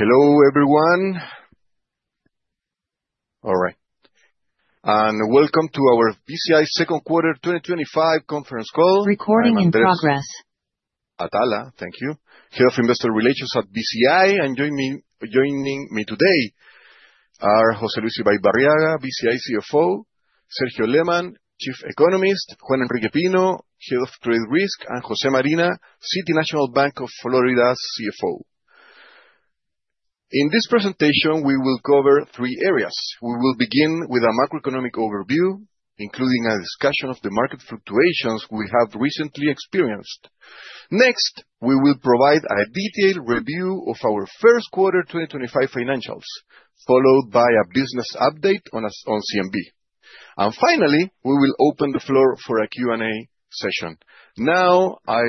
Hello everyone. All right. Welcome to our Bci second quarter 2025 conference call. I'm Andrés Atala. Thank you. Head of Investor Relations at Bci, and joining me today are José Luis Ibaibarriaga, Bci CFO, Sergio Lehmann, Chief Economist, Juan Enrique Pino, Head of Credit Risk, and Jose Marina, City National Bank of Florida's CFO. In this presentation, we will cover three areas. We will begin with a macroeconomic overview, including a discussion of the market fluctuations we have recently experienced. Next, we will provide a detailed review of our first quarter 2025 financials, followed by a business update on CNB. Finally, we will open the floor for a Q&A session. Now, I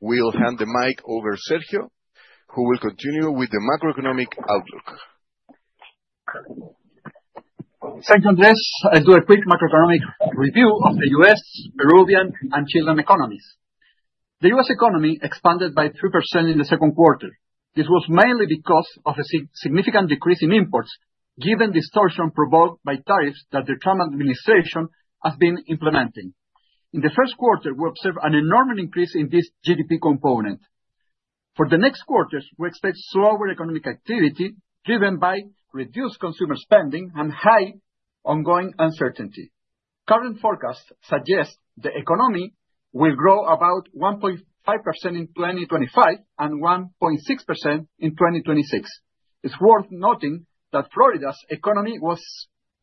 will hand the mic over Sergio, who will continue with the macroeconomic outlook. Thank you, Andrés. I'll do a quick macroeconomic review of the U.S., Peruvian, and Chilean economies. The U.S. economy expanded by 3% in the second quarter. This was mainly because of a significant decrease in imports given distortion provoked by tariffs that the Trump administration has been implementing. In the first quarter, we observed an enormous increase in this GDP component. For the next quarters, we expect slower economic activity driven by reduced consumer spending and high ongoing uncertainty. Current forecasts suggest the economy will grow about 1.5% in 2025 and 1.6% in 2026. It's worth noting that Florida's economy was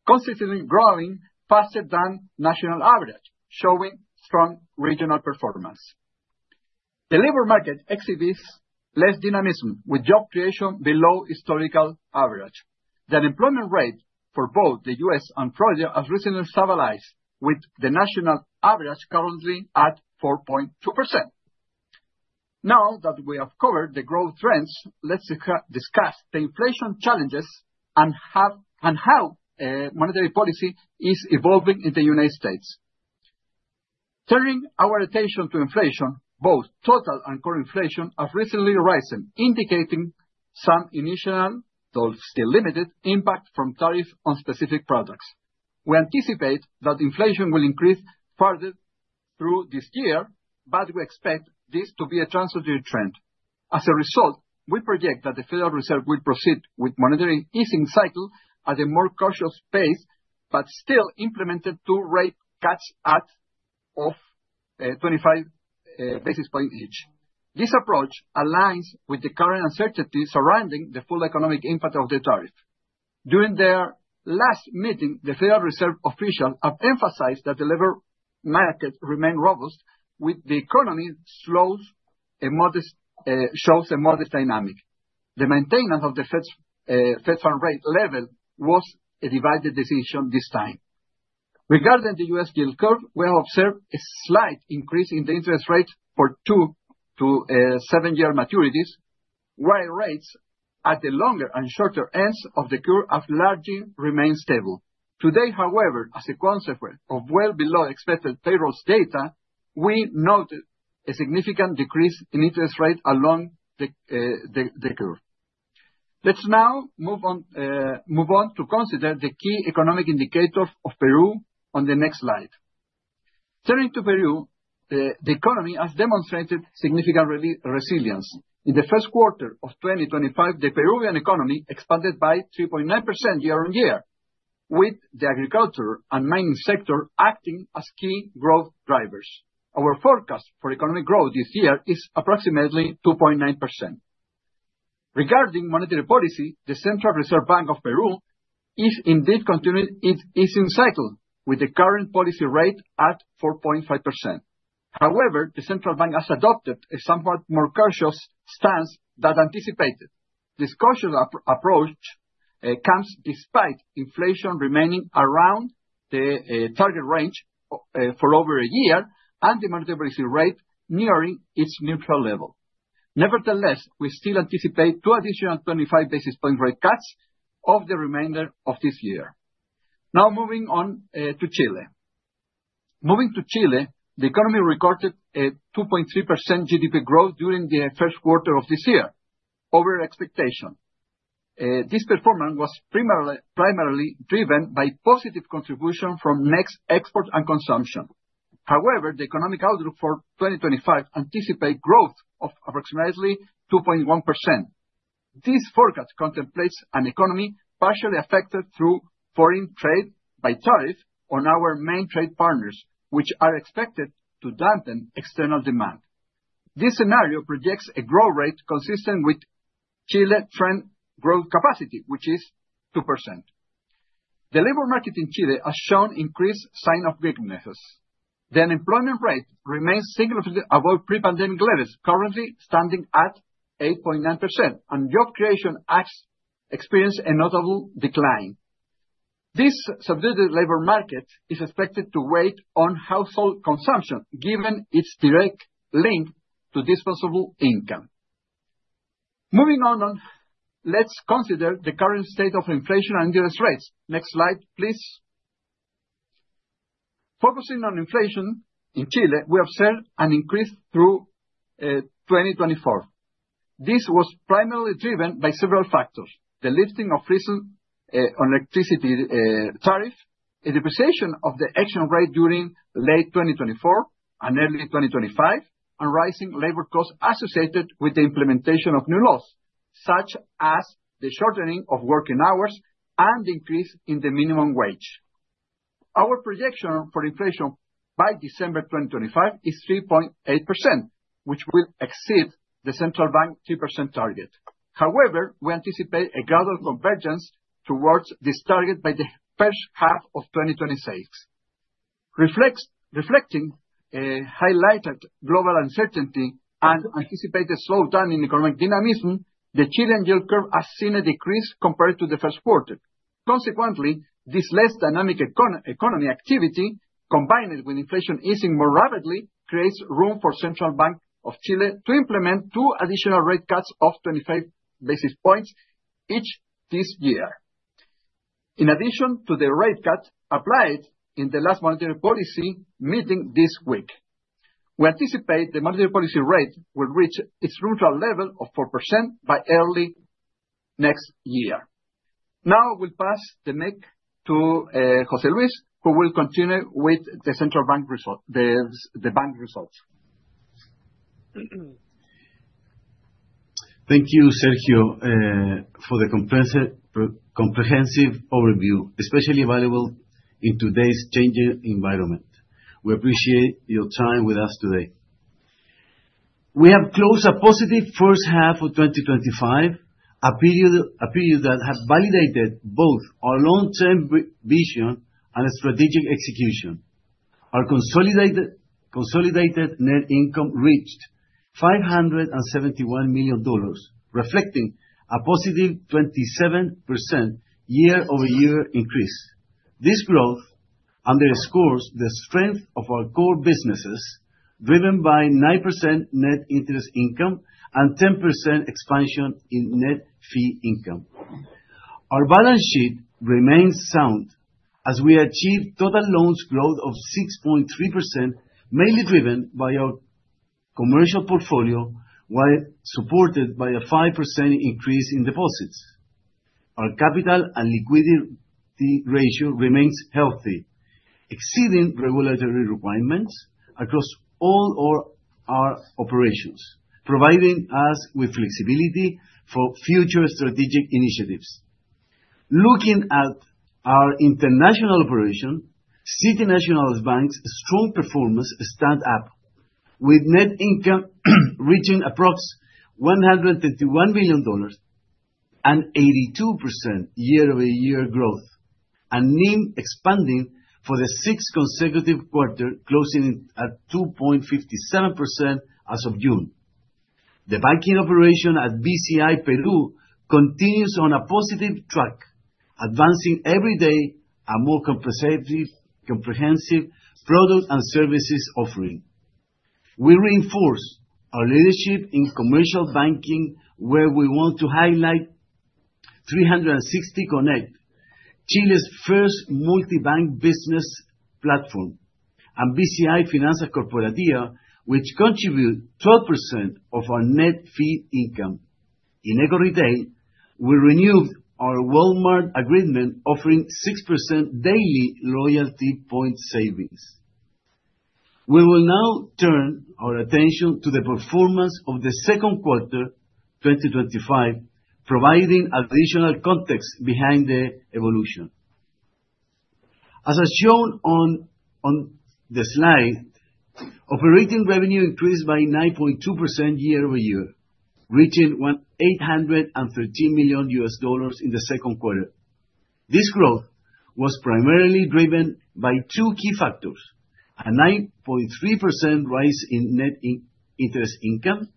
consistently growing faster than national average, showing strong regional performance. The labor market exhibits less dynamism with job creation below historical average. The unemployment rate for both the U.S. and Florida has recently stabilized with the national average currently at 4.2%. Now that we have covered the growth trends, let's discuss the inflation challenges and how monetary policy is evolving in the United States. Turning our attention to inflation, both total and core inflation have recently risen, indicating some initial, though still limited, impact from tariffs on specific products. We anticipate that inflation will increase further through this year, but we expect this to be a transitory trend. As a result, we project that the Federal Reserve will proceed with monetary easing cycle at a more cautious pace, but still implement two rate cuts of 25 basis points each. This approach aligns with the current uncertainty surrounding the full economic impact of the tariff. During their last meeting, the Federal Reserve officials have emphasized that the labor market remains robust as the economy shows a modest dynamic. The maintenance of the Fed's Federal funds rate level was a divided decision this time. Regarding the U.S. yield curve, we have observed a slight increase in the interest rate for two to seven-year maturities, while rates at the longer and shorter ends of the curve have largely remained stable. Today, however, as a consequence of well-below-expected payrolls data, we noted a significant decrease in interest rate along the curve. Let's now move on to consider the key economic indicators of Peru on the next slide. Turning to Peru, the economy has demonstrated significant resilience. In the first quarter of 2025, the Peruvian economy expanded by 3.9% year-on-year, with the agriculture and mining sector acting as key growth drivers. Our forecast for economic growth this year is approximately 2.9%. Regarding monetary policy, the Central Reserve Bank of Peru is indeed continuing its easing cycle with the current policy rate at 4.5%. However, the central bank has adopted a somewhat more cautious stance than anticipated. This cautious approach comes despite inflation remaining around the target range for over a year and the monetary policy rate nearing its neutral level. Nevertheless, we still anticipate two additional 25 basis point rate cuts of the remainder of this year. Now, moving on to Chile. Moving to Chile, the economy recorded a 2.3% GDP growth during the first quarter of this year, over expectation. This performance was primarily driven by positive contribution from net exports and consumption. However, the economic outlook for 2025 anticipates growth of approximately 2.1%. This forecast contemplates an economy partially affected through foreign trade by tariff on our main trade partners, which are expected to dampen external demand. This scenario projects a growth rate consistent with Chile's trend growth capacity, which is 2%. The labor market in Chile has shown increased sign of weaknesses. The unemployment rate remains significantly above pre-pandemic levels, currently standing at 8.9%, and job creation has experienced a notable decline. This subdued labor market is expected to weigh on household consumption, given its direct link to disposable income. Moving on, let's consider the current state of inflation and interest rates. Next slide, please. Focusing on inflation in Chile, we have seen an increase through 2024. This was primarily driven by several factors. The lifting of recent electricity tariff, a depreciation of the exchange rate during late 2024 and early 2025, and rising labor costs associated with the implementation of new laws, such as the shortening of working hours and increase in the minimum wage. Our projection for inflation by December 2025 is 3.8%, which will exceed the Central Bank 2% target. However, we anticipate a gradual convergence towards this target by the first half of 2026. Reflecting highlighted global uncertainty and anticipated slowdown in economic dynamism, the Chilean yield curve has seen a decrease compared to the first quarter. Consequently, this less dynamic economy activity, combined with inflation easing more rapidly, creates room for Central Bank of Chile to implement two additional rate cuts of 25 basis points each this year. In addition to the rate cut applied in the last monetary policy meeting this week, we anticipate the monetary policy rate will reach its neutral level of 4% by early next year. Now I will pass the mic to José Luis, who will continue with the bank results. Thank you, Sergio, for the comprehensive overview, especially valuable in today's changing environment. We appreciate your time with us today. We have closed a positive first half of 2025, a period that has validated both our long-term vision and strategic execution. Our consolidated net income reached $571 million, reflecting a positive 27% year-over-year increase. This growth underscores the strength of our core businesses, driven by 9% net interest income and 10% expansion in net fee income. Our balance sheet remains sound as we achieve total loans growth of 6.3%, mainly driven by our commercial portfolio, while supported by a 5% increase in deposits. Our capital and liquidity ratio remains healthy, exceeding regulatory requirements across all our operations, providing us with flexibility for future strategic initiatives. Looking at our international operation, City National Bank's strong performance stands out, with net income reaching approx $151 million, an 82% year-over-year growth, and NIM expanding for the sixth consecutive quarter, closing at 2.57% as of June. The banking operation at Bci Perú continues on a positive track, advancing every day a more comprehensive product and services offering. We reinforce our leadership in commercial banking, where we want to highlight 360Connect, Chile's first multi-bank business platform, and Bci Finanzas Corporativas, which contribute 12% of our net fee income. In Eco Retail, we renewed our Walmart agreement, offering 6% daily loyalty point savings. We will now turn our attention to the performance of the second quarter, 2025, providing additional context behind the evolution. As I showed on the slide, operating revenue increased by 9.2% year-over-year, reaching $813 million in the second quarter. This growth was primarily driven by two key factors: a 9.3% rise in net interest income,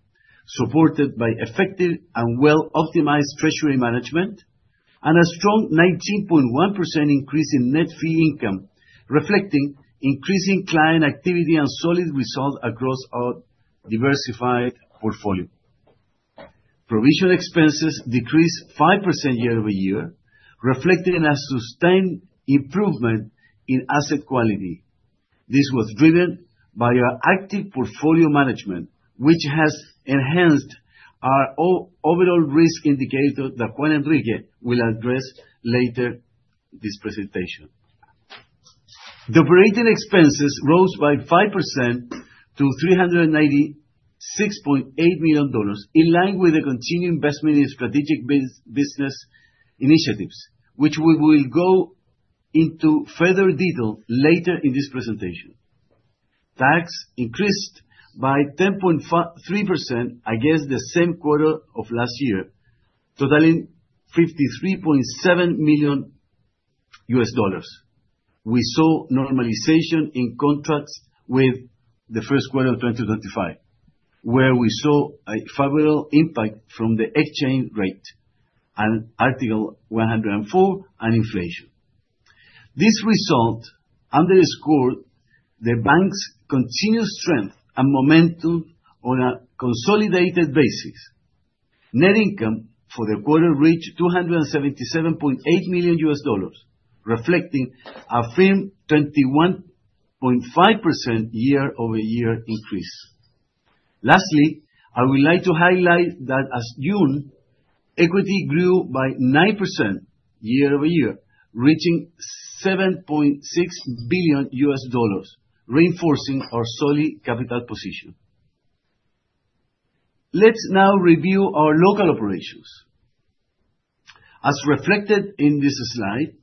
supported by effective and well-optimized treasury management, and a strong 19.1% increase in net fee income, reflecting increasing client activity and solid results across our diversified portfolio. Provision expenses decreased 5% year-over-year, reflecting a sustained improvement in asset quality. This was driven by our active portfolio management, which has enhanced our overall risk indicator that Juan Enrique will address later in this presentation. Operating expenses rose by 5% to $396.8 million, in line with the continued investment in strategic business initiatives, which we will go into further detail later in this presentation. Tax increased by 10.53% against the same quarter of last year, totaling $53.7 million. We saw normalization in contracts with the first quarter of 2025, where we saw a favorable impact from the exchange rate and Article 104 on inflation. This result underscored the bank's continued strength and momentum on a consolidated basis. Net income for the quarter reached $277.8 million, reflecting a firm 21.5% year-over-year increase. Lastly, I would like to highlight that as of June, equity grew by 9% year-over-year, reaching $7.6 billion, reinforcing our solid capital position. Let's now review our local operations. As reflected in this slide,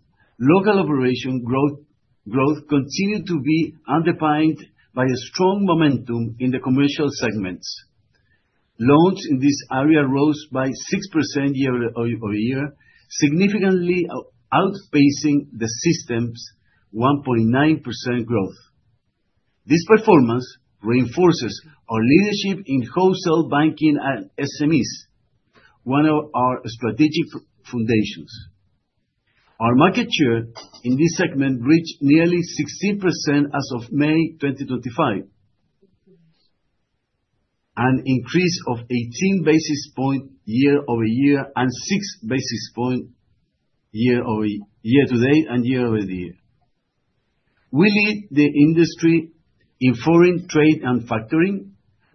local operation growth continued to be underpinned by a strong momentum in the commercial segments. Loans in this area rose by 6% year-over-year, significantly outpacing the system's 1.9% growth. This performance reinforces our leadership in wholesale banking and SMEs, one of our strategic foundations. Our market share in this segment reached nearly 16% as of May 2025. An increase of 18 basis points year-over-year and 6 basis points year-to-date and year-over-year. We lead the industry in foreign trade and factoring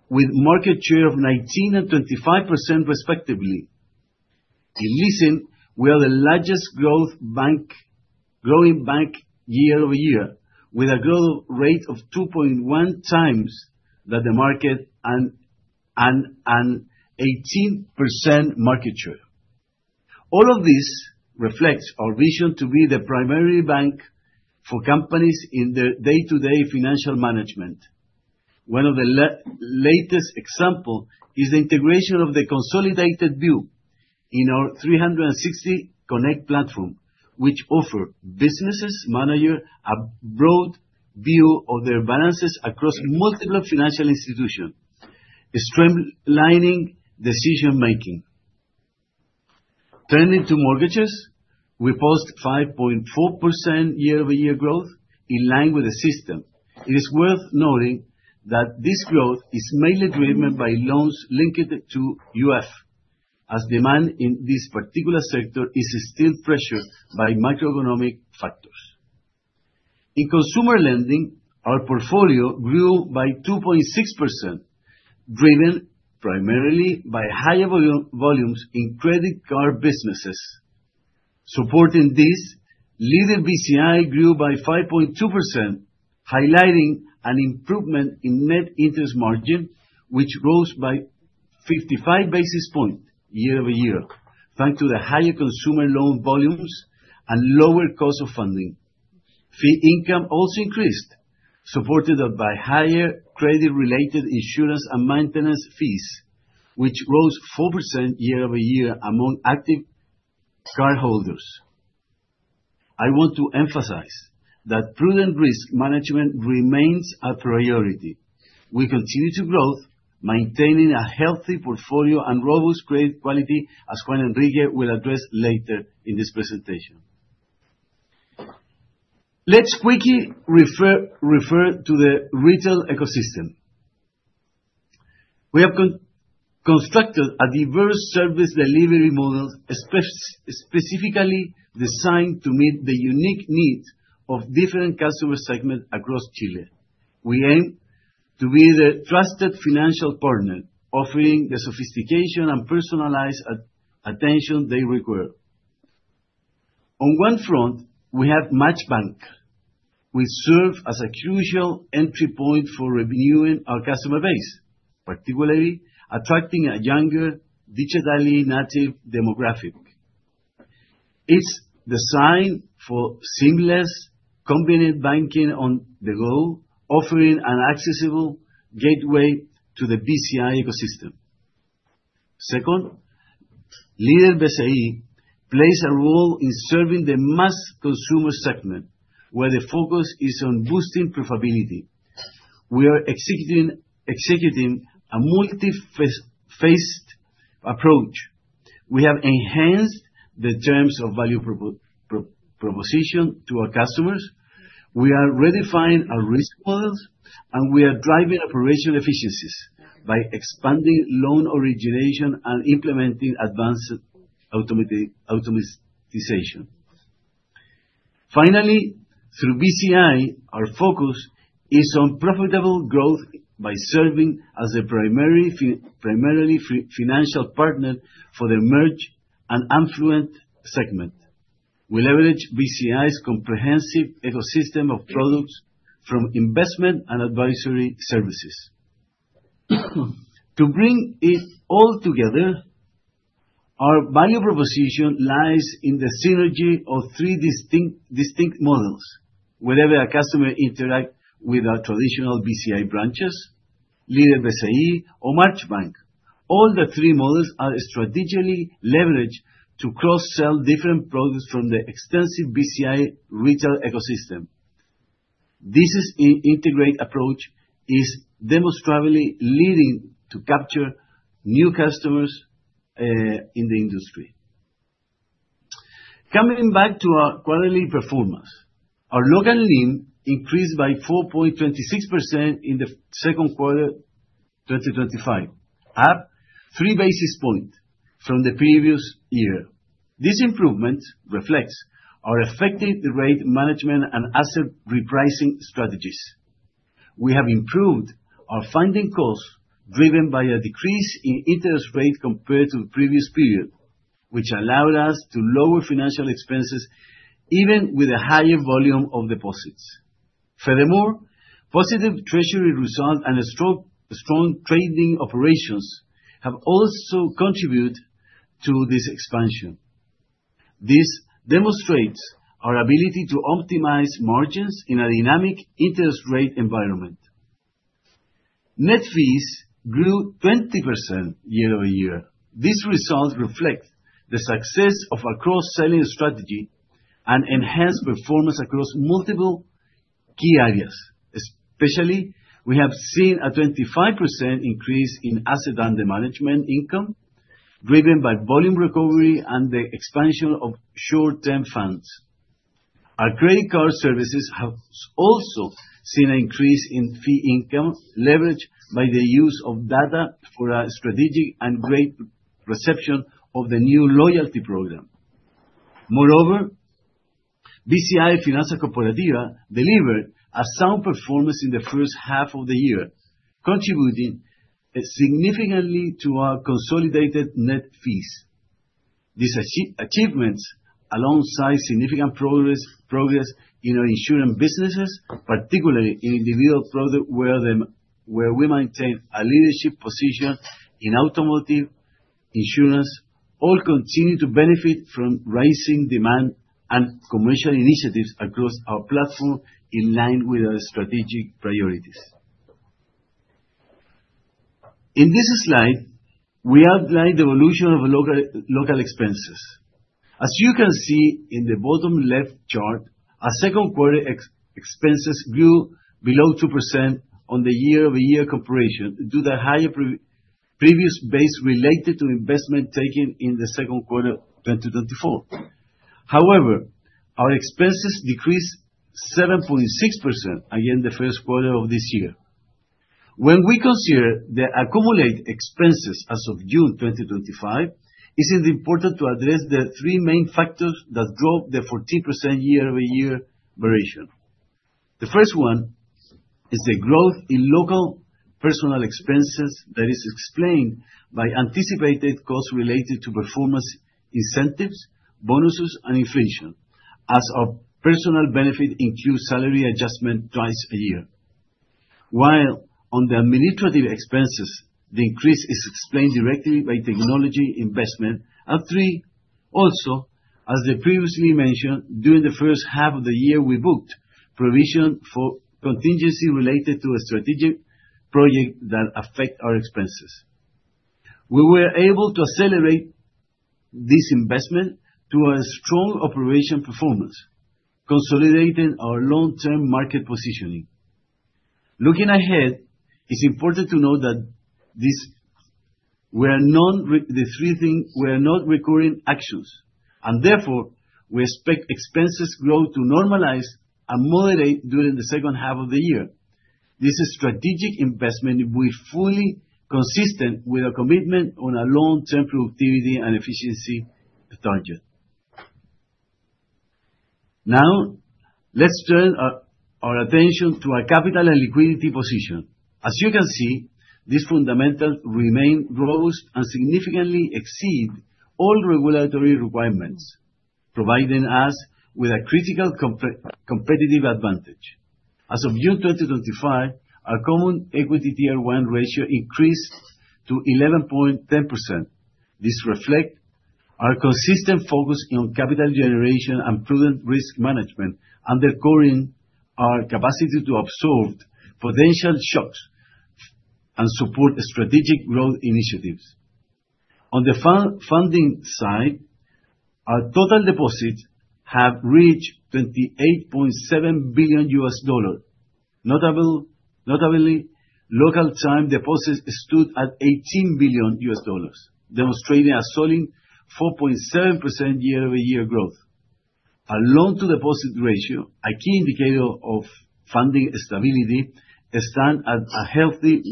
with market share of 19% and 25%, respectively. In leasing, we are the largest growing bank year-over-year with a growth rate of 2.1 times that the market and 18% market share. All of this reflects our vision to be the primary bank for companies in their day-to-day financial management. One of the latest examples is the integration of the consolidated view in our 360Connect platform, which offers businesses managers a broad view of their balances across multiple financial institutions, streamlining decision-making. Turning to mortgages, we posted 5.4% year-over-year growth in line with the system. It is worth noting that this growth is mainly driven by loans linked to UF, as demand in this particular sector is still pressured by macroeconomic factors. In consumer lending, our portfolio grew by 2.6%, driven primarily by higher volumes in credit card businesses. Supporting this, Lider Bci grew by 5.2%, highlighting an improvement in net interest margin, which rose by 55 basis points year-over-year, thanks to the higher consumer loan volumes and lower cost of funding. Fee income also increased, supported by higher credit related insurance and maintenance fees, which rose 4% year-over-year among active cardholders. I want to emphasize that prudent risk management remains a priority. We continue to grow, maintaining a healthy portfolio and robust credit quality, as Juan Enrique will address later in this presentation. Let's quickly refer to the retail ecosystem. We have constructed a diverse service delivery model specifically designed to meet the unique needs of different customer segments across Chile. We aim to be the trusted financial partner offering the sophistication and personalized attention they require. On one front, we have MACHBANK. We serve as a crucial entry point for reaching our customer base, particularly attracting a younger, digitally native demographic. It's designed for seamless, convenient banking on the go, offering an accessible gateway to the Bci ecosystem. Second, Lider Bci plays a role in serving the mass consumer segment, where the focus is on boosting profitability. We are executing a multi-phased approach. We have enhanced the terms of value proposition to our customers. We are redefining our risk models, and we are driving operational efficiencies by expanding loan origination and implementing advanced automation. Finally, through Bci, our focus is on profitable growth by serving as a primarily financial partner for the middle and affluent segment. We leverage Bci's comprehensive ecosystem of products from investment and advisory services. To bring it all together, our value proposition lies in the synergy of three distinct models. Whether a customer interacts with our traditional Bci branches, Lider Bci, or MACHBANK, all the three models are strategically leveraged to cross-sell different products from the extensive Bci retail ecosystem. This integrated approach is demonstrably leading to capture new customers in the industry. Coming back to our quarterly performance, our local NIM increased by 4.26% in the second quarter 2025, up 3 basis points from the previous year. This improvement reflects our effective rate management and asset repricing strategies. We have improved our funding costs, driven by a decrease in interest rates compared to the previous period, which allowed us to lower financial expenses even with a higher volume of deposits. Furthermore, positive treasury results and a strong trading operations have also contributed to this expansion. This demonstrates our ability to optimize margins in a dynamic interest rate environment. Net fees grew 20% year-over-year. These results reflect the success of our cross-selling strategy and enhanced performance across multiple key areas. Especially, we have seen a 25% increase in asset under management income, driven by volume recovery and the expansion of short-term funds. Our credit card services have also seen an increase in fee income leverage by the use of data for our strategic and great reception of the new loyalty program. Moreover, Bci Finanzas Corporativas delivered a sound performance in the first half of the year, contributing significantly to our consolidated net fees. These achievements, alongside significant progress in our insurance businesses, particularly in individual products, where we maintain a leadership position in automotive insurance, all continue to benefit from rising demand and commercial initiatives across our platform in line with our strategic priorities. In this slide, we outline the evolution of local expenses. As you can see in the bottom left chart, our second quarter expenses grew below 2% on the year-over-year comparison due to higher previous base related to investment taken in the second quarter of 2024. However, our expenses decreased 7.6% against the first quarter of this year. When we consider the accumulated expenses as of June 2025, it is important to address the three main factors that drove the 14% year-over-year variation. The first one is the growth in local personnel expenses that is explained by anticipated costs related to performance incentives, bonuses, and inflation, as our personnel benefits include salary adjustment twice a year. While on the administrative expenses, the increase is explained directly by technology investment. Three, also, as I previously mentioned, during the first half of the year, we booked provision for contingency related to a strategic project that affect our expenses. We were able to accelerate this investment through a strong operational performance, consolidating our long-term market positioning. Looking ahead, it's important to note that the three things were not recurring actions, and therefore, we expect expenses growth to normalize and moderate during the second half of the year. This strategic investment will be fully consistent with our commitment on our long-term productivity and efficiency target. Now, let's turn our attention to our capital and liquidity position. As you can see, these fundamentals remain robust and significantly exceed all regulatory requirements, providing us with a critical competitive advantage. As of June 2025, our common equity Tier 1 ratio increased to 11.10%. This reflects our consistent focus on capital generation and prudent risk management, undergirding our capacity to absorb potential shocks and support strategic growth initiatives. On the funding side, our total deposits have reached $28.7 billion. Notably, local time deposits stood at $18 billion, demonstrating a solid 4.7% year-over-year growth. Our loan-to-deposit ratio, a key indicator of funding stability, stands at a healthy 139%.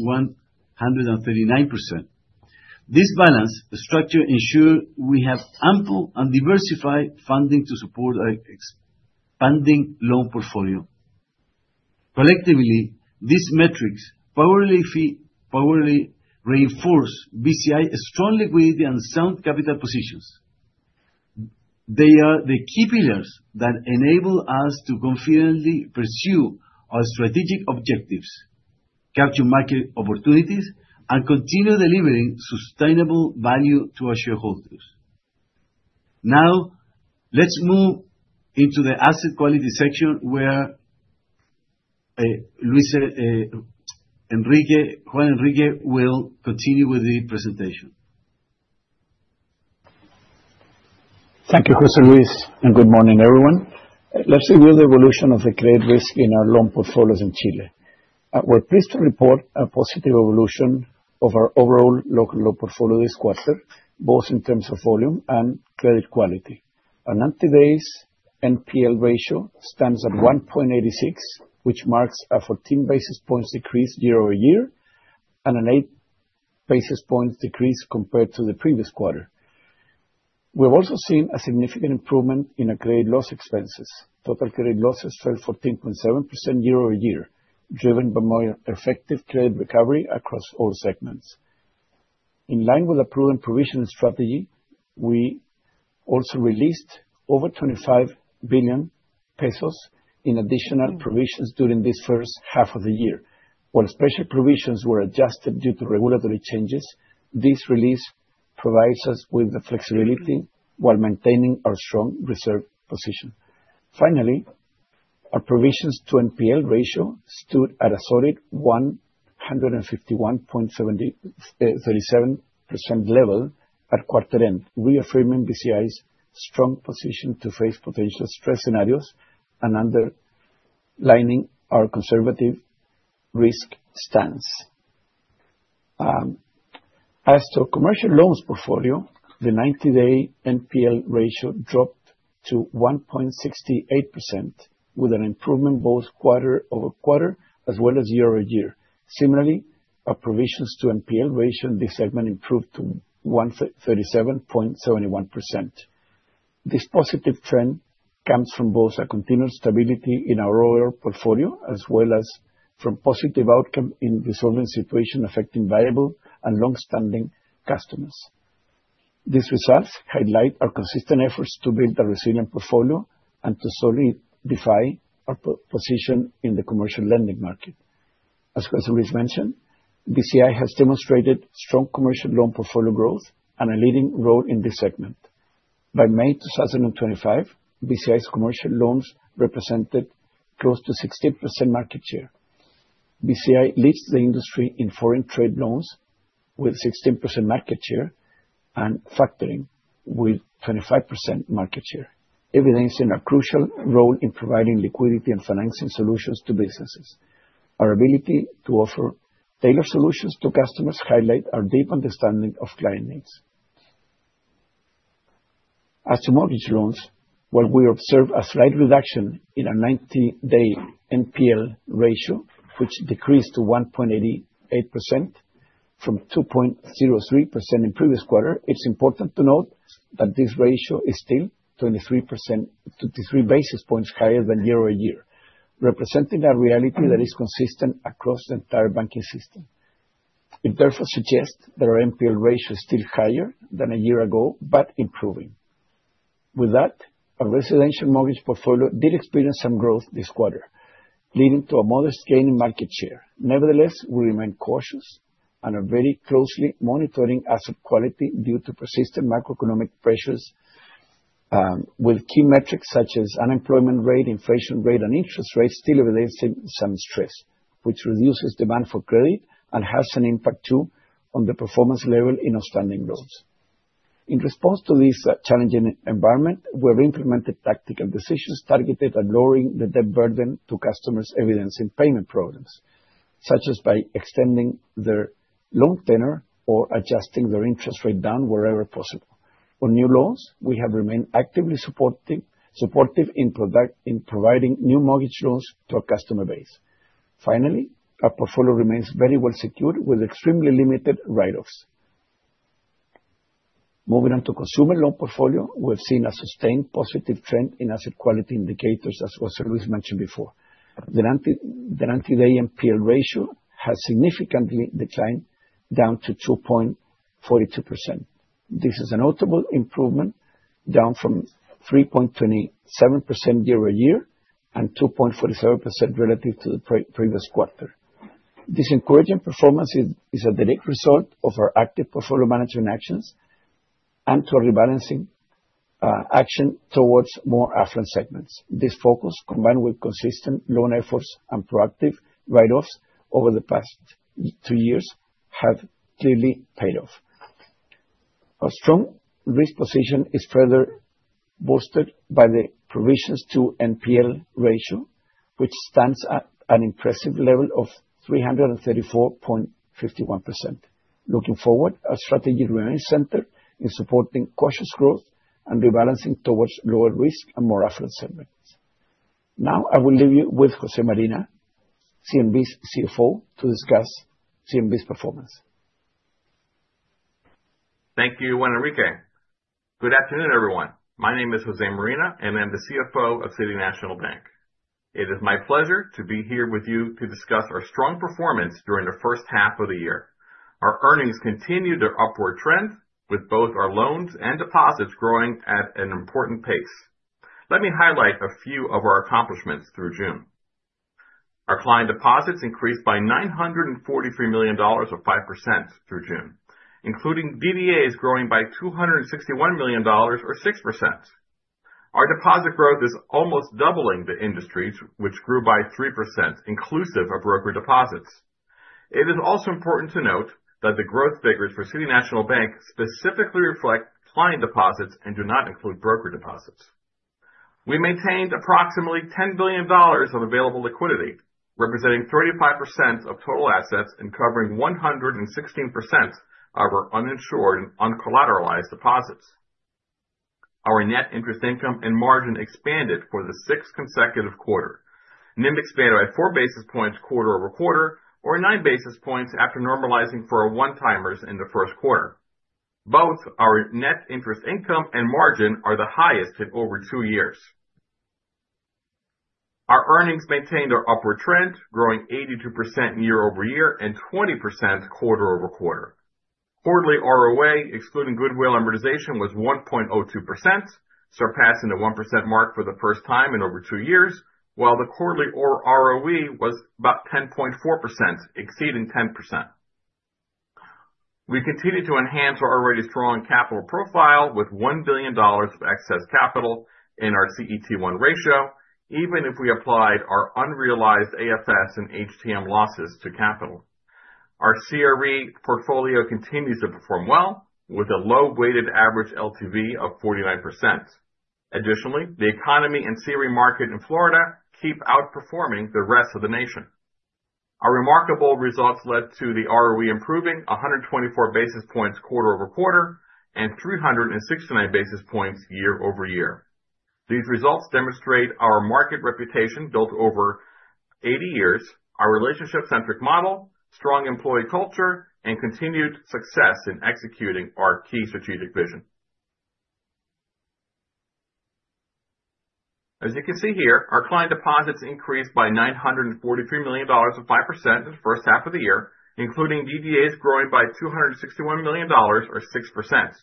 This balanced structure ensures we have ample and diversified funding to support our expanding loan portfolio. Collectively, these metrics powerfully reinforce Bci's strong liquidity and sound capital positions. They are the key pillars that enable us to confidently pursue our strategic objectives, capture market opportunities, and continue delivering sustainable value to our shareholders. Now, let's move into the asset quality section, where Juan Enrique will continue with the presentation. Thank you, José Luis, and good morning, everyone. Let's review the evolution of the credit risk in our loan portfolios in Chile. We're pleased to report a positive evolution of our overall local loan portfolio this quarter, both in terms of volume and credit quality. Our 90-day NPL ratio stands at 1.86, which marks a 14 basis points decrease year-over-year and an 8 basis points decrease compared to the previous quarter. We have also seen a significant improvement in our credit loss expenses. Total credit losses fell 14.7% year-over-year, driven by more effective credit recovery across all segments. In line with the proven provision strategy, we also released over 25 billion pesos in additional provisions during this first half of the year. While special provisions were adjusted due to regulatory changes, this release provides us with the flexibility while maintaining our strong reserve position. Finally, our provisions to NPL ratio stood at a solid 151.73% level at quarter end, reaffirming Bci's strong position to face potential stress scenarios and underlining our conservative risk stance. As to commercial loans portfolio, the ninety-day NPL ratio dropped to 1.68% with an improvement both quarter-over-quarter as well as year-over-year. Similarly, our provisions to NPL ratio in this segment improved to 137.71%. This positive trend comes from both our continued stability in our oil portfolio as well as from positive outcome in resolving situation affecting viable and long-standing customers. These results highlight our consistent efforts to build a resilient portfolio and to solidify our position in the commercial lending market. As José Luis mentioned, Bci has demonstrated strong commercial loan portfolio growth and a leading role in this segment. By May 2025, Bci's commercial loans represented close to 16% market share. Bci leads the industry in foreign trade loans with 16% market share and factoring with 25% market share, evidencing a crucial role in providing liquidity and financing solutions to businesses. Our ability to offer tailored solutions to customers highlight our deep understanding of client needs. As to mortgage loans, while we observe a slight reduction in our 90-day NPL ratio, which decreased to 1.88% from 2.03% in previous quarter, it's important to note that this ratio is still 23 basis points higher than year-over-year, representing a reality that is consistent across the entire banking system. It therefore suggests that our NPL ratio is still higher than a year ago, but improving. With that, our residential mortgage portfolio did experience some growth this quarter, leading to a modest gain in market share. Nevertheless, we remain cautious and are very closely monitoring asset quality due to persistent macroeconomic pressures, with key metrics such as unemployment rate, inflation rate, and interest rates still evidencing some stress, which reduces demand for credit and has an impact too on the performance level in outstanding loans. In response to this challenging environment, we've implemented tactical decisions targeted at lowering the debt burden to customers evidencing payment problems, such as by extending their loan tenure or adjusting their interest rate down wherever possible. On new loans, we have remained actively supportive in providing new mortgage loans to our customer base. Finally, our portfolio remains very well secured with extremely limited write-offs. Moving on to consumer loan portfolio, we have seen a sustained positive trend in asset quality indicators, as José Luis mentioned before. The 90-day NPL ratio has significantly declined down to 2.42%. This is a notable improvement, down from 3.27% year-over-year and 2.47% relative to the previous quarter. This encouraging performance is a direct result of our active portfolio management actions and to rebalancing action towards more affluent segments. This focus, combined with consistent loan efforts and proactive write-offs over the past two years, have clearly paid off. Our strong risk position is further boosted by the provisions to NPL ratio, which stands at an impressive level of 334.51%. Looking forward, our strategy remains centered in supporting cautious growth and rebalancing towards lower risk and more affluent segments. Now I will leave you with Jose Marina, CNB's CFO, to discuss CNB's performance. Thank you, Juan Enrique. Good afternoon, everyone. My name is Jose Marina, and I'm the CFO of City National Bank. It is my pleasure to be here with you to discuss our strong performance during the first half of the year. Our earnings continue their upward trend with both our loans and deposits growing at an important pace. Let me highlight a few of our accomplishments through June. Our client deposits increased by $943 million, or 5%, through June, including DDAs growing by $261 million or 6%. Our deposit growth is almost doubling the industry's, which grew by 3%, inclusive of broker deposits. It is also important to note that the growth figures for City National Bank specifically reflect client deposits and do not include broker deposits. We maintained approximately $10 billion of available liquidity, representing 35% of total assets and covering 116% of our uninsured and uncollateralized deposits. Our net interest income and margin expanded for the sixth consecutive quarter. NIM expanded by 4 basis points quarter-over-quarter, or 9 basis points after normalizing for our one-timers in the first quarter. Both our net interest income and margin are the highest in over two years. Our earnings maintained our upward trend, growing 82% year-over-year and 20% quarter-over-quarter. Quarterly ROA, excluding goodwill amortization, was 1.02%, surpassing the 1% mark for the first time in over two years, while the quarterly ROE was about 10.4%, exceeding 10%. We continue to enhance our already strong capital profile with $1 billion of excess capital in our CET1 ratio, even if we applied our unrealized AFS and HTM losses to capital. Our CRE portfolio continues to perform well with a low weighted average LTV of 49%. Additionally, the economy and CRE market in Florida keep outperforming the rest of the nation. Our remarkable results led to the ROE improving 124 basis points quarter-over-quarter and 369 basis points year-over-year. These results demonstrate our market reputation built over 80 years, our relationship centric model, strong employee culture and continued success in executing our key strategic vision. As you can see here, our client deposits increased by $943 million or 5% in the first half of the year, including DDAs growing by $261 million or 6%.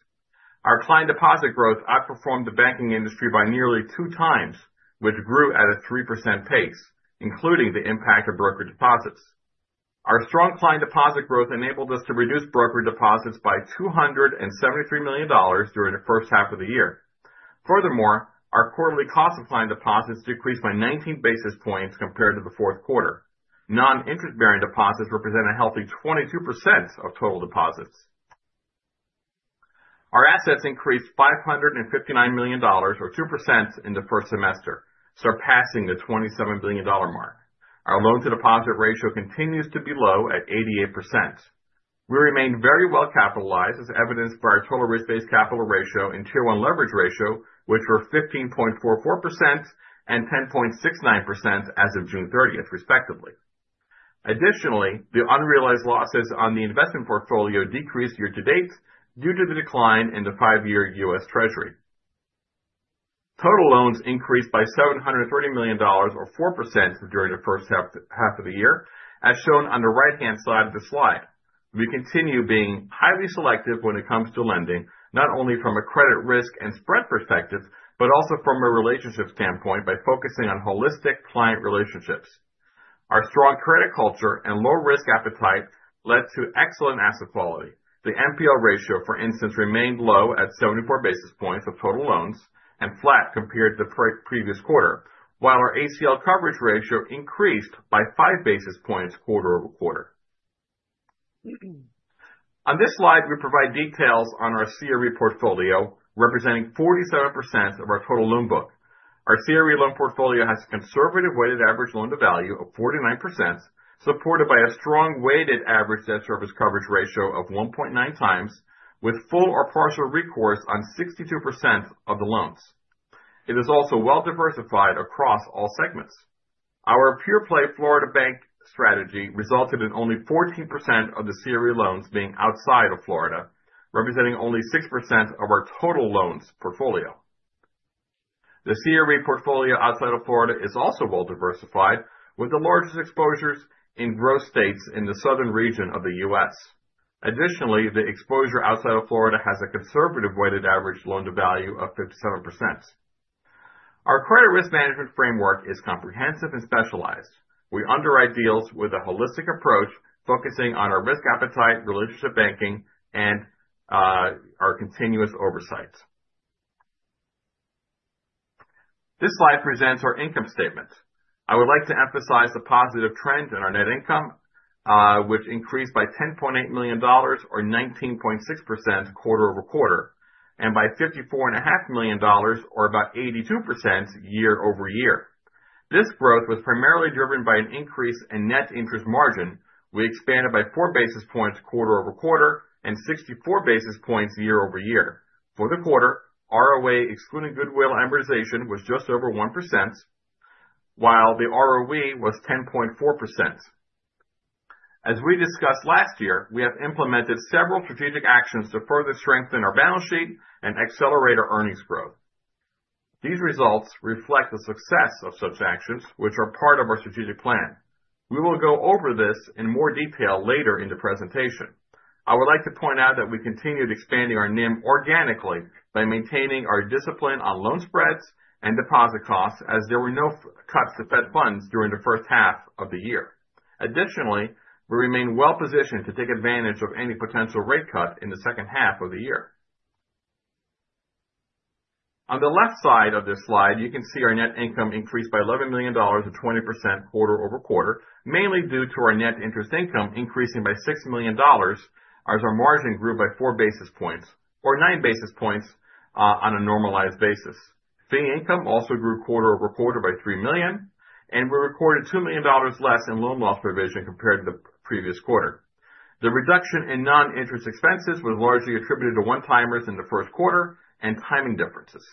Our client deposit growth outperformed the banking industry by nearly two times, which grew at a 3% pace, including the impact of brokerage deposits. Our strong client deposit growth enabled us to reduce brokerage deposits by $273 million during the first half of the year. Furthermore, our quarterly cost of client deposits decreased by 19 basis points compared to the fourth quarter. Non-interest bearing deposits represent a healthy 22% of total deposits. Our assets increased $559 million or 2% in the first semester, surpassing the $27 billion mark. Our loan-to-deposit ratio continues to be low at 88%. We remain very well capitalized, as evidenced by our total risk-based capital ratio and Tier 1 leverage ratio, which were 15.44% and 10.69% as of June 30th, respectively. Additionally, the unrealized losses on the investment portfolio decreased year to date due to the decline in the five-year U.S. Treasury. Total loans increased by $730 million or 4% during the first half of the year, as shown on the right-hand side of the slide. We continue being highly selective when it comes to lending, not only from a credit risk and spread perspective, but also from a relationship standpoint by focusing on holistic client relationships. Our strong credit culture and low risk appetite led to excellent asset quality. The NPL ratio, for instance, remained low at 74 basis points of total loans and flat compared to the pre-previous quarter, while our ACL coverage ratio increased by 5 basis points quarter-over-quarter. On this slide, we provide details on our CRE portfolio representing 47% of our total loan book. Our CRE loan portfolio has a conservative weighted average loan to value of 49%, supported by a strong weighted average debt service coverage ratio of 1.9 times, with full or partial recourse on 62% of the loans. It is also well diversified across all segments. Our pure play Florida bank strategy resulted in only 14% of the CRE loans being outside of Florida, representing only 6% of our total loans portfolio. The CRE portfolio outside of Florida is also well diversified, with the largest exposures in growth states in the southern region of the U.S. Additionally, the exposure outside of Florida has a conservative weighted average loan to value of 57%. Our credit risk management framework is comprehensive and specialized. We underwrite deals with a holistic approach, focusing on our risk appetite, relationship banking, and our continuous oversight. This slide presents our income statement. I would like to emphasize the positive trend in our net income, which increased by $10.8 million or 19.6% quarter-over-quarter, and by $54.5 million or about 82% year-over-year. This growth was primarily driven by an increase in net interest margin. We expanded by 4 basis points quarter-over-quarter and 64 basis points year-over-year. For the quarter, ROA excluding goodwill amortization was just over 1%, while the ROE was 10.4%. As we discussed last year, we have implemented several strategic actions to further strengthen our balance sheet and accelerate our earnings growth. These results reflect the success of such actions, which are part of our strategic plan. We will go over this in more detail later in the presentation. I would like to point out that we continued expanding our NIM organically by maintaining our discipline on loan spreads and deposit costs as there were no cuts to Fed funds during the first half of the year. Additionally, we remain well-positioned to take advantage of any potential rate cut in the second half of the year. On the left side of this slide, you can see our net income increased by $11 million or 20% quarter-over-quarter, mainly due to our net interest income increasing by $6 million as our margin grew by 4 basis points or 9 basis points on a normalized basis. Fee income also grew quarter-over-quarter by $3 million, and we recorded $2 million less in loan loss provision compared to the previous quarter. The reduction in non-interest expenses was largely attributed to one-timers in the first quarter and timing differences.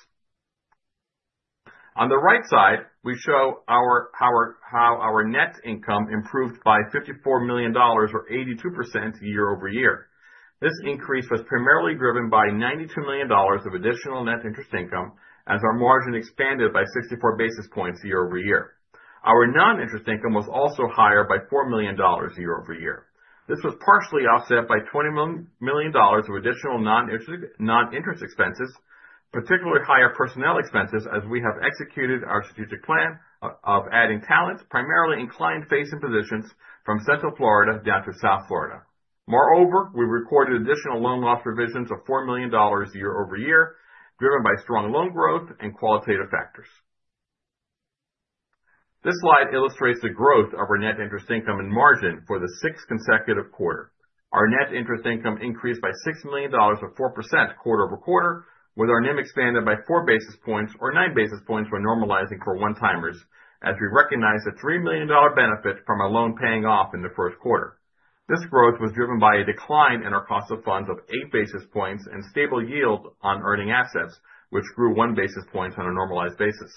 On the right side, we show how our net income improved by $54 million or 82% year-over-year. This increase was primarily driven by $92 million of additional net interest income as our margin expanded by 64 basis points year-over-year. Our non-interest income was also higher by $4 million year-over-year. This was partially offset by $20 million of additional non-interest expenses, particularly higher personnel expenses as we have executed our strategic plan of adding talents, primarily in client-facing positions from Central Florida down to South Florida. Moreover, we recorded additional loan loss provisions of $4 million year-over-year, driven by strong loan growth and qualitative factors. This slide illustrates the growth of our net interest income and margin for the sixth consecutive quarter. Our net interest income increased by $6 million or 4% quarter-over-quarter, with our NIM expanded by 4 basis points or 9 basis points when normalizing for one-timers, as we recognize the $3 million benefit from a loan paying off in the first quarter. This growth was driven by a decline in our cost of funds of 8 basis points and stable yield on earning assets, which grew 1 basis point on a normalized basis.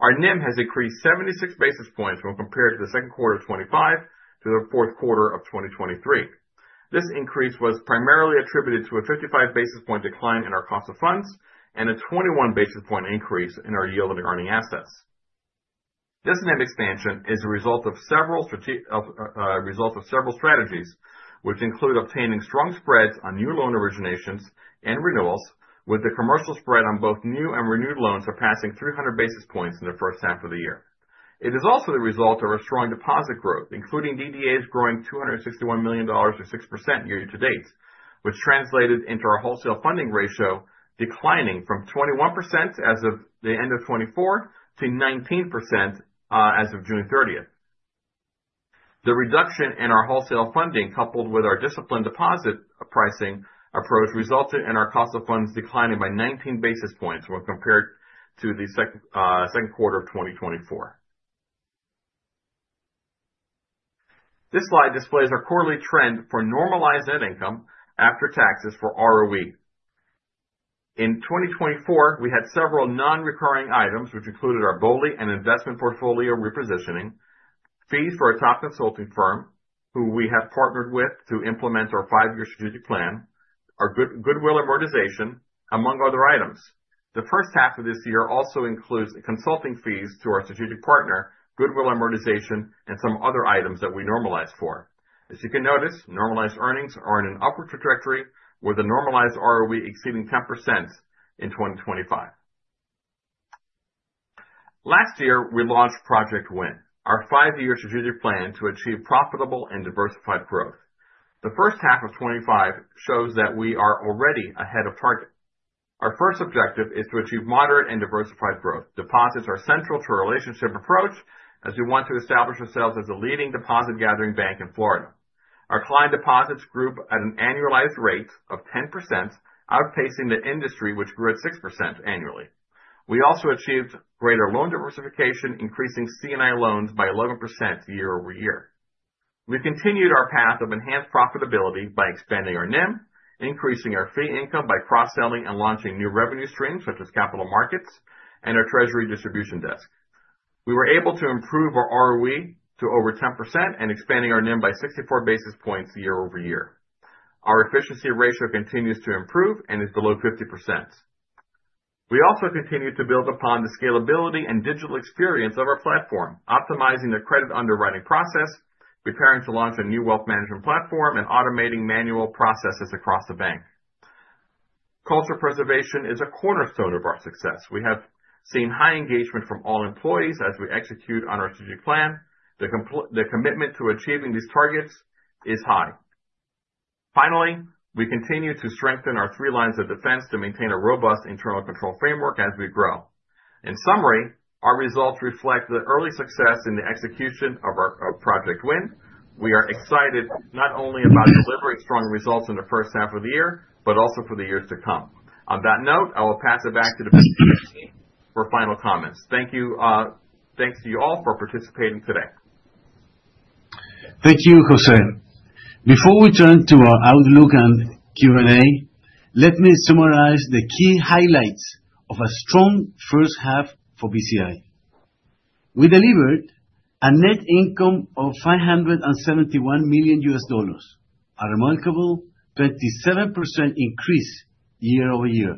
Our NIM has increased 76 basis points when compared to the second quarter of 2025 to the fourth quarter of 2023. This increase was primarily attributed to a 55 basis point decline in our cost of funds and a 21 basis point increase in our yield on earning assets. This net expansion is a result of several strategies, which include obtaining strong spreads on new loan originations and renewals, with the commercial spread on both new and renewed loans surpassing 300 basis points in the first half of the year. It is also the result of our strong deposit growth, including DDAs growing $261 million or 6% year to date, which translated into our wholesale funding ratio declining from 21% as of the end of 2024 to 19%, as of June 30th. The reduction in our wholesale funding, coupled with our disciplined deposit pricing approach, resulted in our cost of funds declining by 19 basis points when compared to the second quarter of 2024. This slide displays our quarterly trend for normalized net income after taxes for ROE. In 2024, we had several non-recurring items which included our BOLI and investment portfolio repositioning, fees for a top consulting firm who we have partnered with to implement our five-year strategic plan, our goodwill amortization, among other items. The first half of this year also includes consulting fees to our strategic partner, goodwill amortization, and some other items that we normalize for. As you can notice, normalized earnings are in an upward trajectory with the normalized ROE exceeding 10% in 2025. Last year, we launched Project Win, our five-year strategic plan to achieve profitable and diversified growth. The first half of 2025 shows that we are already ahead of target. Our first objective is to achieve moderate and diversified growth. Deposits are central to our relationship approach as we want to establish ourselves as a leading deposit gathering bank in Florida. Our client deposits grew at an annualized rate of 10%, outpacing the industry which grew at 6% annually. We also achieved greater loan diversification, increasing C&I loans by 11% year-over-year. We continued our path of enhanced profitability by expanding our NIM, increasing our fee income by cross-selling and launching new revenue streams such as capital markets and our treasury distribution desk. We were able to improve our ROE to over 10% and expanding our NIM by 64 basis points year-over-year. Our efficiency ratio continues to improve and is below 50%. We also continue to build upon the scalability and digital experience of our platform, optimizing the credit underwriting process, preparing to launch a new wealth management platform, and automating manual processes across the bank. Culture preservation is a cornerstone of our success. We have seen high engagement from all employees as we execute on our strategic plan. The commitment to achieving these targets is high. Finally, we continue to strengthen our three lines of defense to maintain a robust internal control framework as we grow. In summary, our results reflect the early success in the execution of our Project Win. We are excited not only about delivering strong results in the first half of the year but also for the years to come. On that note, I will pass it back to José Luis for final comments. Thank you. Thanks to you all for participating today. Thank you, Jose. Before we turn to our outlook and Q&A, let me summarize the key highlights of a strong first half for Bci. We delivered a net income of $571 million, a remarkable 37% increase year-over-year.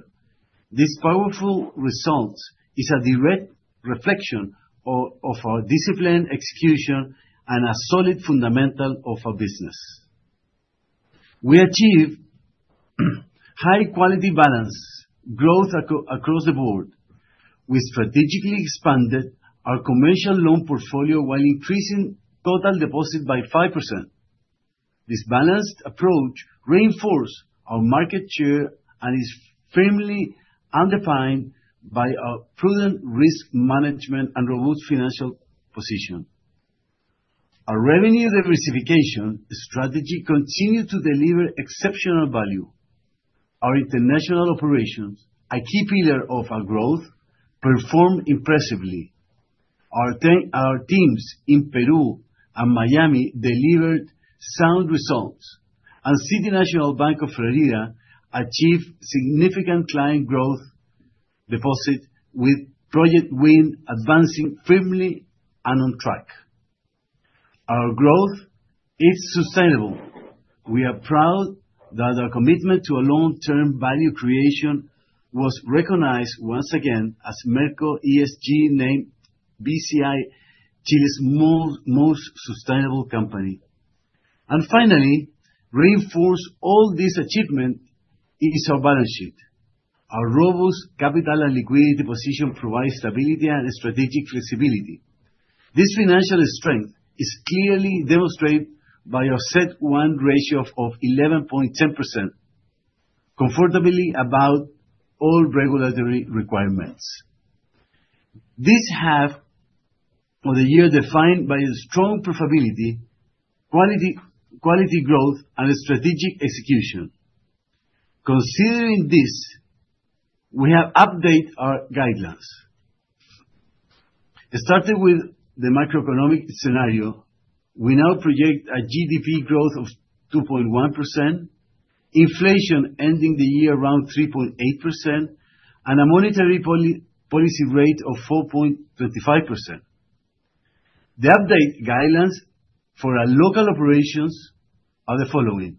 This powerful result is a direct reflection of our disciplined execution and a solid fundamental of our business. We achieved high quality balanced growth across the board. We strategically expanded our commercial loan portfolio while increasing total deposits by 5%. This balanced approach reinforce our market share and is firmly underpinned by our prudent risk management and robust financial position. Our revenue diversification strategy continued to deliver exceptional value. Our international operations, a key pillar of our growth, performed impressively. Our teams in Peru and Miami delivered sound results, and City National Bank of Florida achieved significant client growth deposit, with Project WIN advancing firmly and on track. Our growth is sustainable. We are proud that our commitment to a long-term value creation was recognized once again, as Merco ESG named Bci Chile's most sustainable company. Finally, reinforcing all this achievement is our balance sheet. Our robust capital and liquidity position provides stability and strategic flexibility. This financial strength is clearly demonstrated by our CET1 ratio of 11.10%, comfortably above all regulatory requirements. This half of the year defined by strong profitability, quality growth, and strategic execution. Considering this, we have updated our guidelines. Starting with the macroeconomic scenario, we now project a GDP growth of 2.1%, inflation ending the year around 3.8%, and a monetary policy rate of 4.25%. The updated guidelines for our local operations are the following.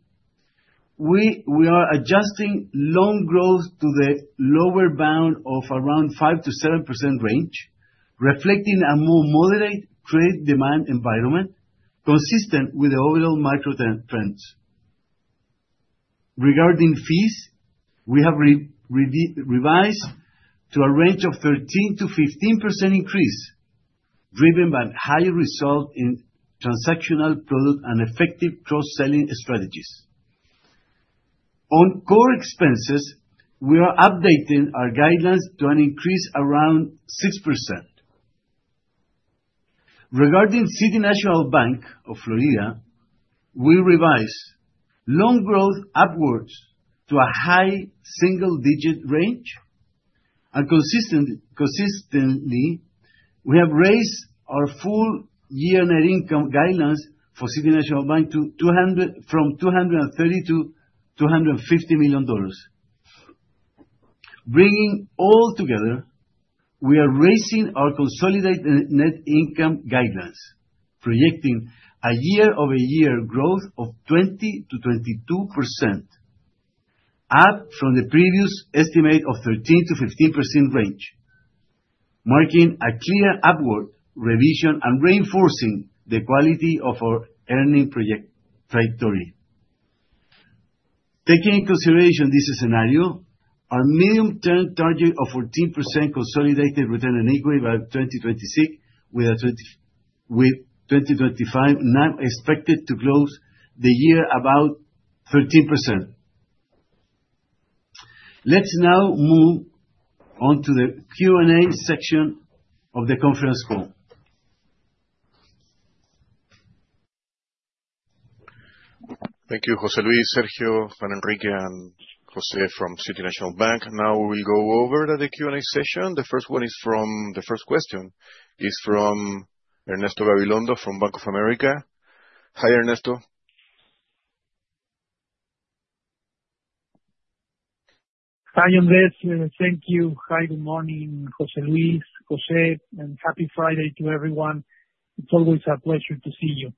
We are adjusting loan growth to the lower bound of around 5%-7% range, reflecting a more moderate credit demand environment, consistent with the overall macro trends. Regarding fees, we have revised to a range of 13%-15% increase, driven by higher results in transactional products and effective cross-selling strategies. On core expenses, we are updating our guidelines to an increase around 6%. Regarding City National Bank of Florida, we revised loan growth upwards to a high single digit range. Consistently, we have raised our full year net income guidelines for City National Bank from $230 million to $250 million. Bringing all together, we are raising our consolidated net income guidelines, projecting a year-over-year growth of 20%-22%, up from the previous estimate of 13%-15% range, marking a clear upward revision and reinforcing the quality of our earnings projection trajectory. Taking into consideration this scenario, our medium-term target of 14% consolidated return on equity by 2026, with 2025 now expected to close the year about 13%. Let's now move on to the Q&A section of the conference call. Thank you, José Luis, Sergio, Juan Enrique, and Jose from City National Bank of Florida. Now we will go over to the Q&A session. The first question is from Ernesto Gabilondo from Bank of America. Hi, Ernesto. Hi, Andrés. Thank you. Hi, good morning, José Luis, Jose, and Happy Friday to everyone. It's always a pleasure to see you.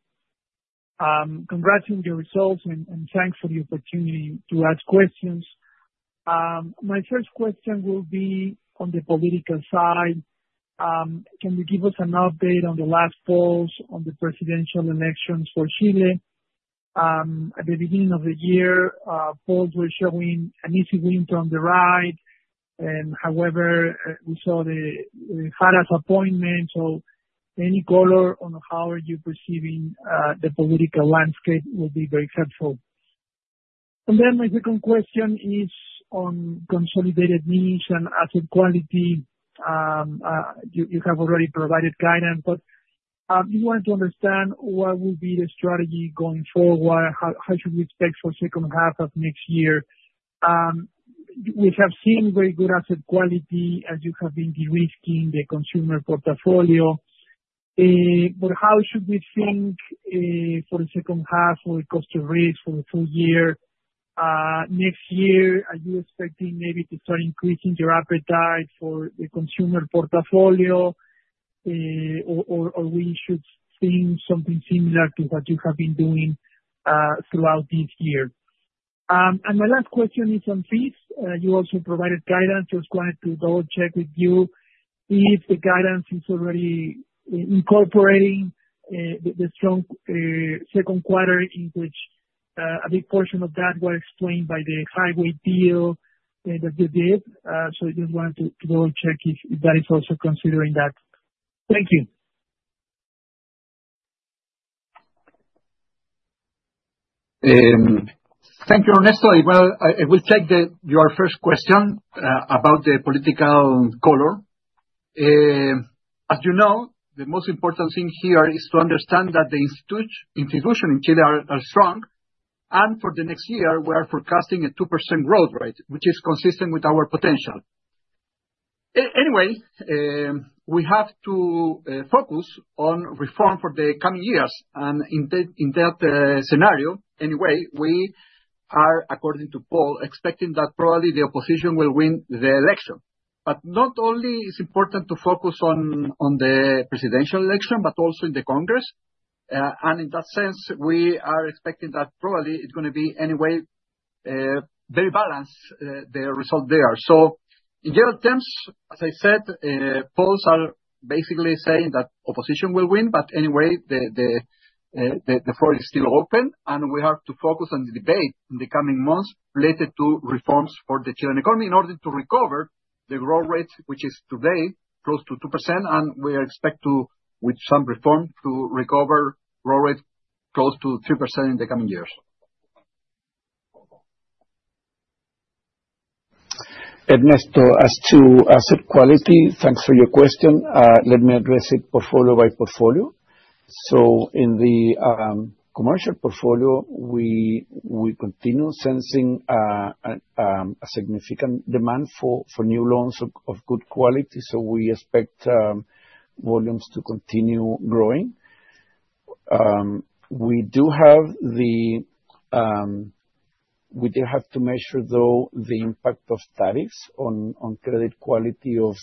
Congrats on your results and thanks for the opportunity to ask questions. My first question will be on the political side. Can you give us an update on the last polls on the presidential elections for Chile? At the beginning of the year, polls were showing an easy win from the right, and however, we saw the Jara appointment. Any color on how you are perceiving the political landscape will be very helpful. My second question is on consolidated NIM and asset quality. You have already provided guidance, but we want to understand what will be the strategy going forward. How should we expect for second half of next year? We have seen very good asset quality as you have been de-risking the consumer portfolio. How should we think for the second half or cost of risk for the full year, next year? Are you expecting maybe to start increasing your appetite for the consumer portfolio? Or we should think something similar to what you have been doing throughout this year? My last question is on fees. You also provided guidance. Just wanted to double-check with you if the guidance is already incorporating the strong second quarter in which a big portion of that was explained by the highway deal that you did. We just wanted to double-check if that is also considering that. Thank you. Thank you, Ernesto. Well, I will take your first question about the political color. As you know, the most important thing here is to understand that the institution in Chile are strong, and for the next year, we are forecasting a 2% growth rate, which is consistent with our potential. Anyway, we have to focus on reform for the coming years, and in that scenario, anyway, we are according to poll expecting that probably the opposition will win the election. Not only is it important to focus on the presidential election, but also in the Congress. In that sense, we are expecting that probably it's gonna be anyway very balanced the result there. In general terms, as I said, polls are basically saying that opposition will win, but anyway, the floor is still open, and we have to focus on the debate in the coming months related to reforms for the Chilean economy in order to recover the growth rate, which is today close to 2%, and we expect to, with some reform, to recover growth rate close to 3% in the coming years. Ernesto, as to asset quality, thanks for your question. Let me address it portfolio by portfolio. In the commercial portfolio, we continue sensing a significant demand for new loans of good quality, so we expect volumes to continue growing. We do have to measure, though, the impact of tariffs on credit quality of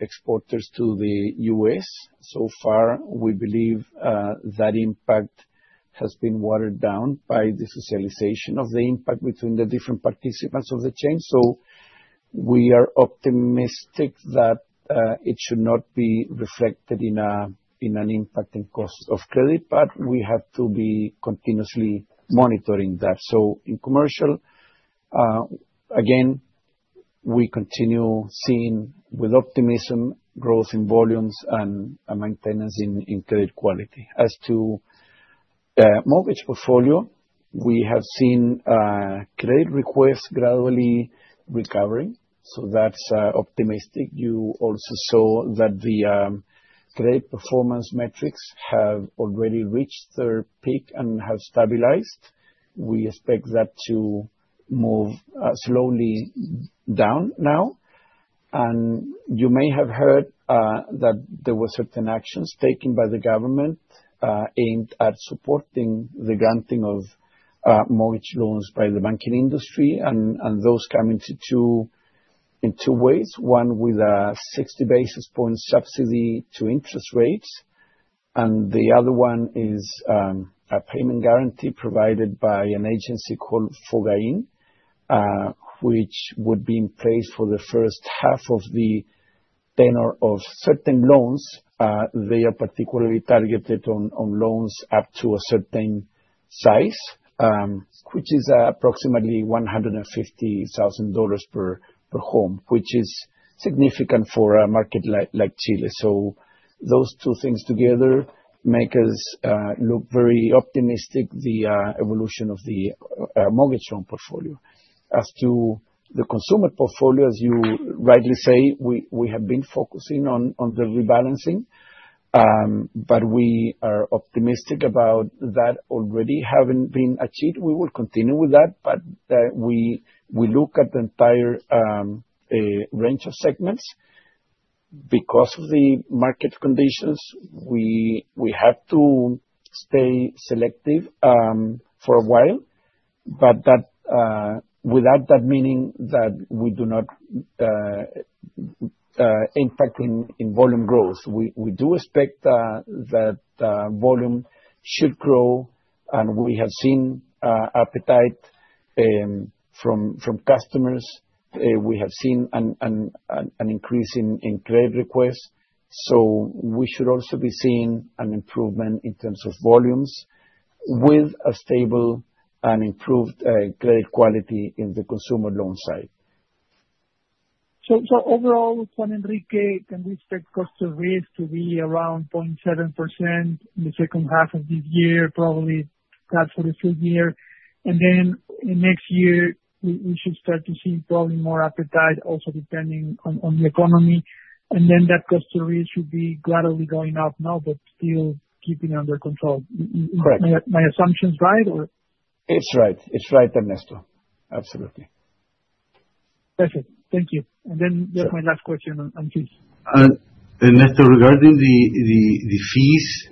exporters to the U.S. So far, we believe that impact has been watered down by the socialization of the impact between the different participants of the chain. We are optimistic that it should not be reflected in an impact in cost of credit, but we have to be continuously monitoring that. In commercial, again, we continue seeing, with optimism, growth in volumes and maintenance in credit quality. As to mortgage portfolio, we have seen credit requests gradually recovering, so that's optimistic. You also saw that the credit performance metrics have already reached their peak and have stabilized. We expect that to move slowly down now. You may have heard that there were certain actions taken by the government aimed at supporting the granting of mortgage loans by the banking industry, and those come in two ways, one with a 60 basis point subsidy to interest rates, and the other one is a payment guarantee provided by an agency called FOGAIN, which would be in place for the first half of the tenor of certain loans. They are particularly targeted on loans up to a certain size, which is approximately $150,000 per home, which is significant for a market like Chile. Those two things together make us look very optimistic the evolution of the mortgage loan portfolio. As to the consumer portfolio, as you rightly say, we have been focusing on the rebalancing, but we are optimistic about that already having been achieved. We will continue with that, but we look at the entire range of segments. Because of the market conditions, we have to stay selective for a while, but that without that meaning that we do not impact in volume growth. We do expect that volume should grow, and we have seen appetite from customers. We have seen an increase in credit requests. We should also be seeing an improvement in terms of volumes with a stable and improved credit quality in the consumer loan side. Overall, Juan Enrique, can we expect cost of risk to be around 0.7% in the second half of this year, probably that for the full year? In next year, we should start to see probably more appetite also depending on the economy, and then that cost of risk should be gradually going up now but still keeping under control. Correct. My assumptions right or? It's right. It's right, Ernesto. Absolutely. Perfect. Thank you. That's my last question, please. Ernesto, regarding the fees,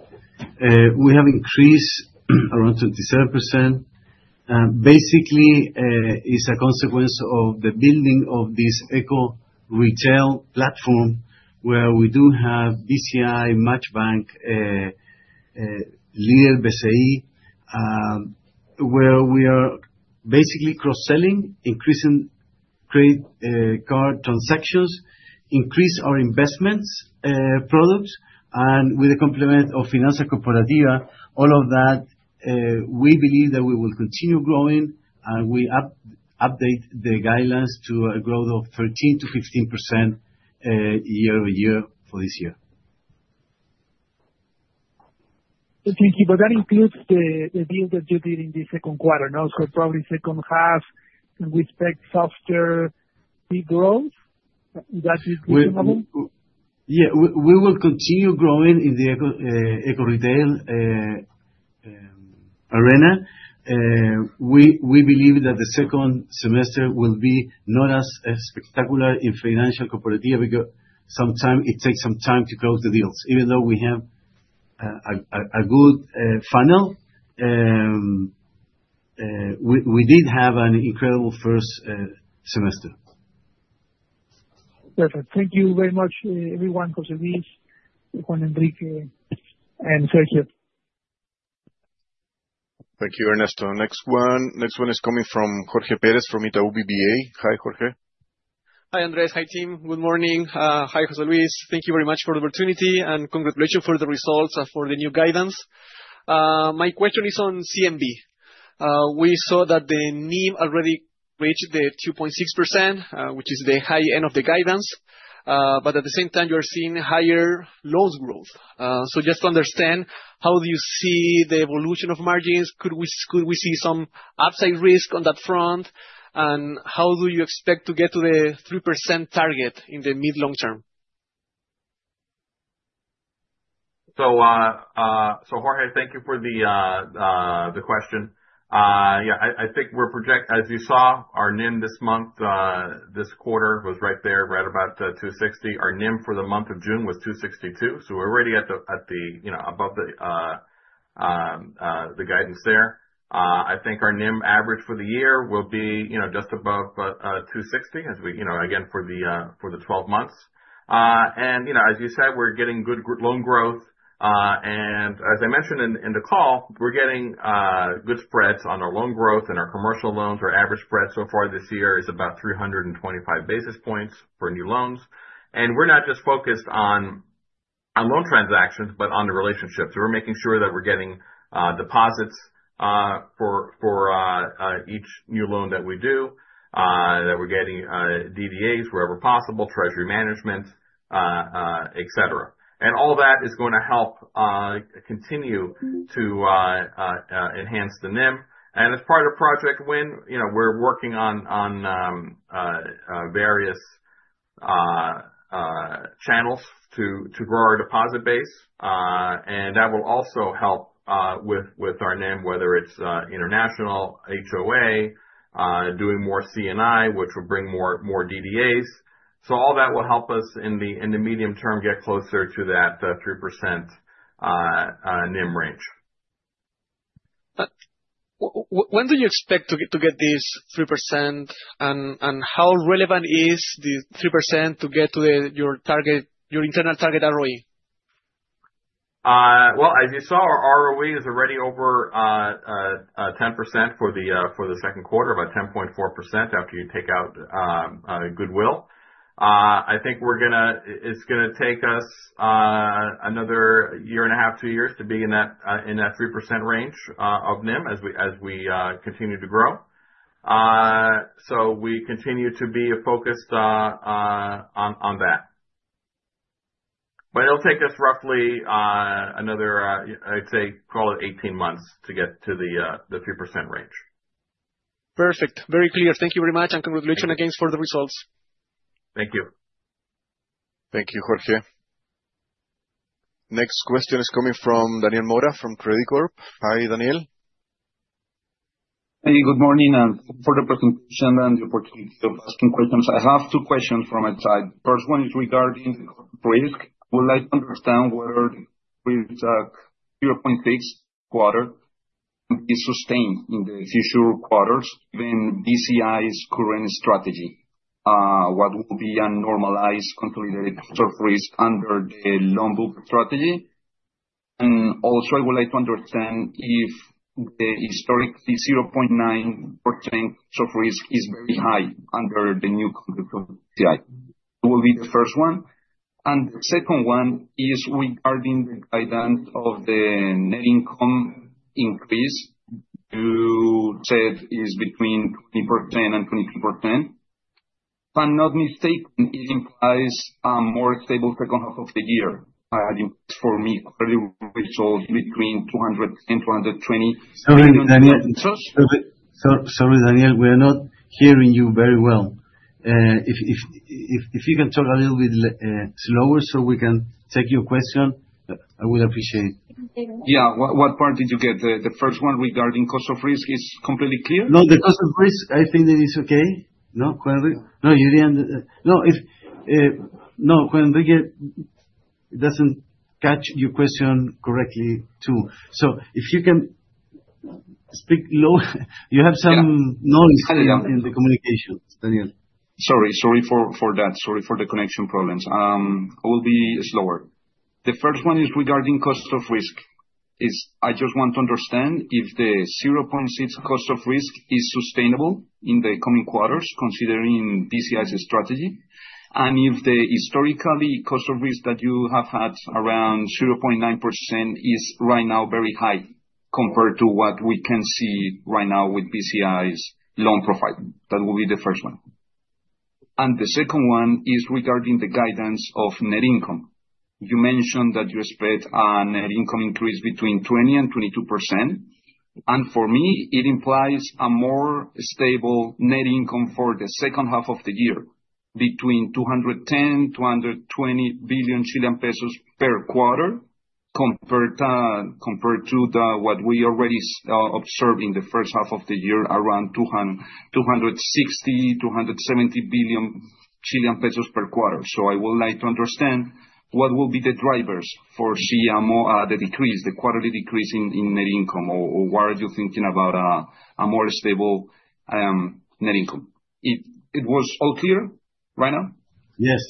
we have increased around 37%. Basically, it's a consequence of the building of this Eco Retail platform where we do have Bci, MACHBANK, Lider Bci, where we are basically cross-selling, increasing credit card transactions, increase our investments products, and with the complement of Finanzas Corporativas, all of that, we believe that we will continue growing, and we update the guidelines to a growth of 13%-15% year-over-year for this year. Thank you. That includes the deal that you did in the second quarter now, so probably second half, can we expect softer fee growth? That is reasonable. Yeah. We will continue growing in the Eco Retail arena. We believe that the second semester will be not as spectacular in Finanzas Corporativas because it takes some time to close the deals. Even though we have a good funnel, we did have an incredible first semester. Perfect. Thank you very much, everyone. José Luis, Juan Enrique, and Sergio. Thank you, Ernesto. Next one is coming from Jorge Pérez from Itaú BBA. Hi, Jorge. Hi, Andrés. Hi, team. Good morning. Hi, José Luis. Thank you very much for the opportunity, and congratulations for the results, for the new guidance. My question is on CNB. We saw that the NIM already reached the 2.6%, which is the high end of the guidance, but at the same time you're seeing higher loans growth. Just to understand, how do you see the evolution of margins? Could we see some upside risk on that front? How do you expect to get to the 3% target in the mid long term? Jorge, thank you for the question. Yeah, I think we're. As you saw, our NIM this quarter was right there, right about 2.60%. Our NIM for the month of June was 2.62%, so we're already at the, you know, above the guidance there. I think our NIM average for the year will be, you know, just above 2.60% as we, you know, again, for the 12 months. And, you know, as you said, we're getting good loan growth. And as I mentioned in the call, we're getting good spreads on our loan growth and our commercial loans. Our average spread so far this year is about 325 basis points for new loans. We're not just focused on loan transactions, but on the relationships. We're making sure that we're getting deposits for each new loan that we do, that we're getting DDAs wherever possible, treasury management, et cetera. All that is gonna help continue to enhance the NIM. As part of Project Win, we're working on various channels to grow our deposit base. That will also help with our NIM, whether it's international, HOA, doing more C&I, which will bring more DDAs. All that will help us in the medium term get closer to that 3% NIM range. When do you expect to get this 3%, and how relevant is the 3% to get to your target, your internal target ROE? Well, as you saw, our ROE is already over 10% for the second quarter, about 10.4% after you take out goodwill. I think it's gonna take us another year and a half, two years to be in that 3% range of NIM as we continue to grow. We continue to be focused on that. It'll take us roughly another. I'd say call it 18 months to get to the 3% range. Perfect. Very clear. Thank you very much, and congratulations again for the results. Thank you. Thank you, Jorge. Next question is coming from Daniel Mora from Credicorp. Hi, Daniel. Hey, good morning, thank you for the presentation and the opportunity of asking questions. I have two questions from my side. First one is regarding risk. I would like to understand whether risk 0.6 quarter is sustained in the future quarters, given Bci's current strategy. What will be considered a normalized sort of risk under the loan book strategy? Also, I would like to understand if the historically 0.9% sort of risk is very high under the new confirmed C&I. That would be the first one, and second one is regarding the identity of the net income increase. Say, it's between 20% and 22%, but if I'm not mistaken is more stable for going of the half of the year, I think for me, which is between 200 billion and 220 billion. Sorry, Daniel. We are not hearing you very well. If you can talk a little bit louder so we can take your question, I would appreciate. Yeah. What part did you get? The first one regarding cost of risk is completely clear. No, the cost of risk, I think that is okay. No, Juan Enrique doesn't catch your question correctly, too. If you can speak louder you have some noise in the communication, Daniel. Sorry for that. Sorry for the connection problems. I will be slower. The first one is regarding cost of risk. I just want to understand if the 0.6 cost of risk is sustainable in the coming quarters, considering Bci's strategy, and if the historically cost of risk that you have had around 0.9% is right now very high compared to what we can see right now with Bci's loan profile. That will be the first one. The second one is regarding the guidance of net income. You mentioned that you expect a net income increase between 20% and 22%, and for me, it implies a more stable net income for the second half of the year between 210 billion and 220 billion Chilean pesos per quarter, compared to what we already observed in the first half of the year, around 260 billion-270 billion Chilean pesos per quarter. I would like to understand what will be the drivers for seeing the quarterly decrease in net income, or why are you thinking about a more stable net income? It was all clear, right now? Yes.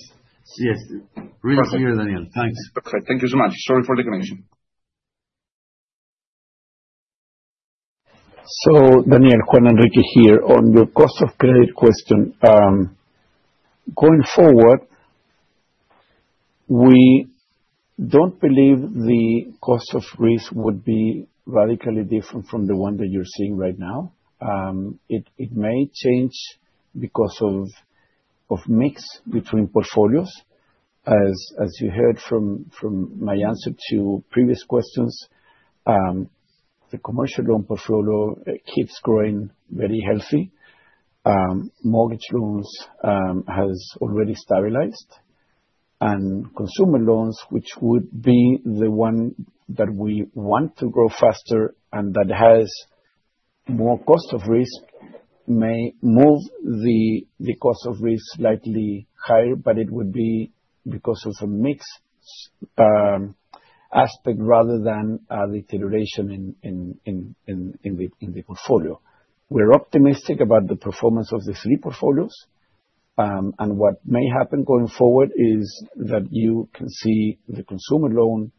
Yes. Perfect. Really clear, Daniel. Thanks. Okay. Thank you so much. Sorry for the connection. Daniel, Juan Enrique here. On your cost of credit question, going forward, we don't believe the cost of risk would be radically different from the one that you're seeing right now. It may change because of mix between portfolios. As you heard from my answer to previous questions, the commercial loan portfolio keeps growing very healthy. Mortgage loans has already stabilized. Consumer loans, which would be the one that we want to grow faster and that has more cost of risk, may move the cost of risk slightly higher, but it would be because of the mix aspect rather than a deterioration in the portfolio. We're optimistic about the performance of the three portfolios. What may happen going forward is that you can see the consumer loan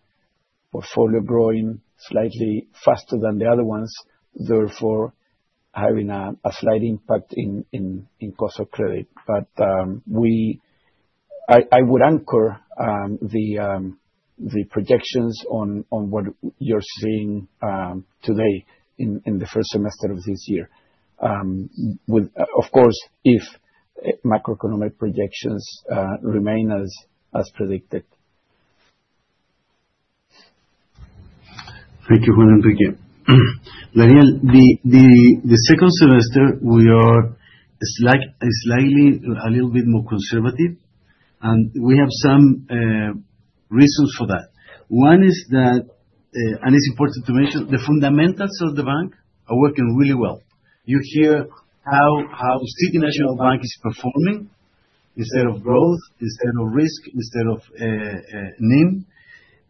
portfolio growing slightly faster than the other ones, therefore having a slight impact on cost of credit. I would anchor the projections on what you're seeing today in the first semester of this year. Of course, if macroeconomic projections remain as predicted. Thank you, Juan Enrique. Daniel, the second semester, we are slightly a little bit more conservative, and we have some reasons for that. One is that, and it's important to mention, the fundamentals of the bank are working really well. You hear how City National Bank is performing in terms of growth, in terms of risk, in terms of NIM.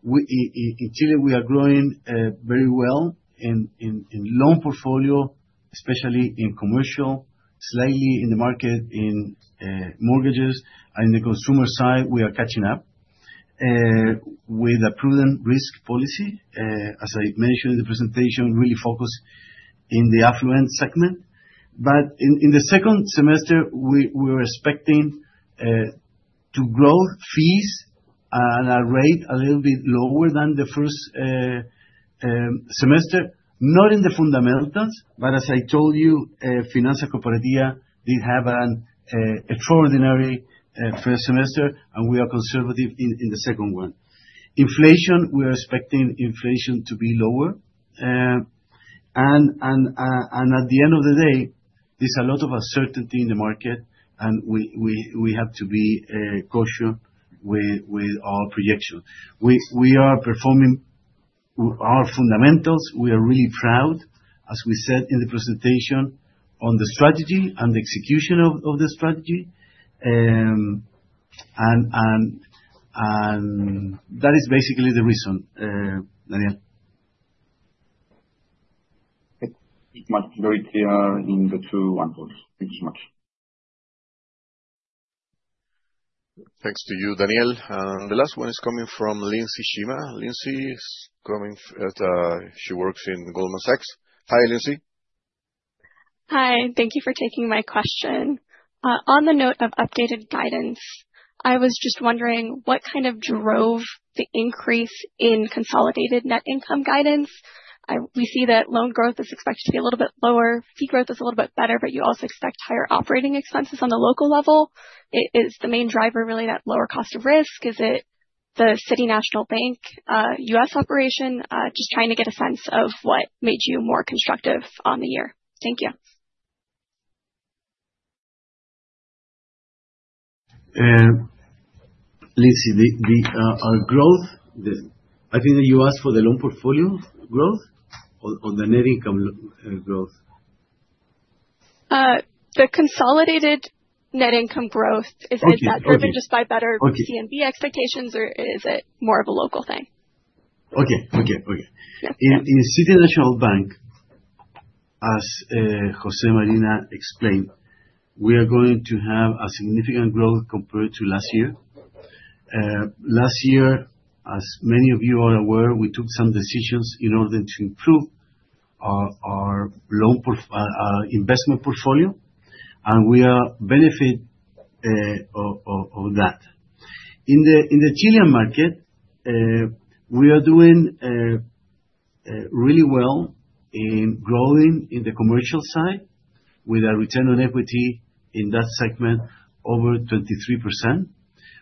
In Chile, we are growing very well in loan portfolio, especially in commercial, slightly in the market in mortgages. On the consumer side, we are catching up with a prudent risk policy, as I mentioned in the presentation, really focused in the affluent segment. In the second semester, we are expecting to grow fees at a rate a little bit lower than the first semester. Not in the fundamentals, but as I told you, Finanzas Corporativas did have an extraordinary first semester, and we are conservative in the second one. Inflation, we are expecting inflation to be lower. At the end of the day, there's a lot of uncertainty in the market and we have to be cautious with our projections. We are performing our fundamentals. We are really proud, as we said in the presentation, on the strategy and the execution of the strategy. That is basically the reason, Daniel. Thank you very much. Very clear in the two angles. Thank you so much. Thanks to you, Daniel. The last one is coming from Lindsey Shema. Lindsey, she works in Goldman Sachs. Hi, Lindsey. Hi. Thank you for taking my question. On the note of updated guidance, I was just wondering what kind of drove the increase in consolidated net income guidance. We see that loan growth is expected to be a little bit lower. Fee growth is a little bit better, but you also expect higher operating expenses on the local level. Is the main driver really that lower cost of risk? Is it the City National Bank, U.S. operation? Just trying to get a sense of what made you more constructive on the year. Thank you. Lindsey, our growth. I think that you asked for the loan portfolio growth or the net income growth. The consolidated net income growth. Okay. Okay. Is that driven just by better- Okay. CNB expectations or is it more of a local thing? Okay. Yeah. In City National Bank, as Jose Marina explained, we are going to have a significant growth compared to last year. Last year, as many of you are aware, we took some decisions in order to improve our investment portfolio, and we are benefiting of that. In the Chilean market, we are doing really well in growing in the commercial side with our return on equity in that segment over 23%.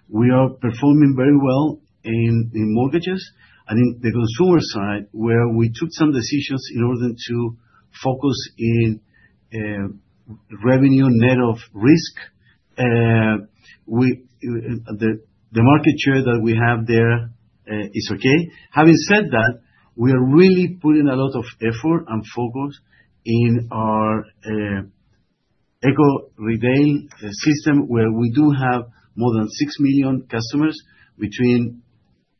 We are performing very well in mortgages and in the consumer side, where we took some decisions in order to focus in revenue net of risk. The market share that we have there is okay. Having said that, we are really putting a lot of effort and focus in our Eco Retail system, where we do have more than 6 million customers between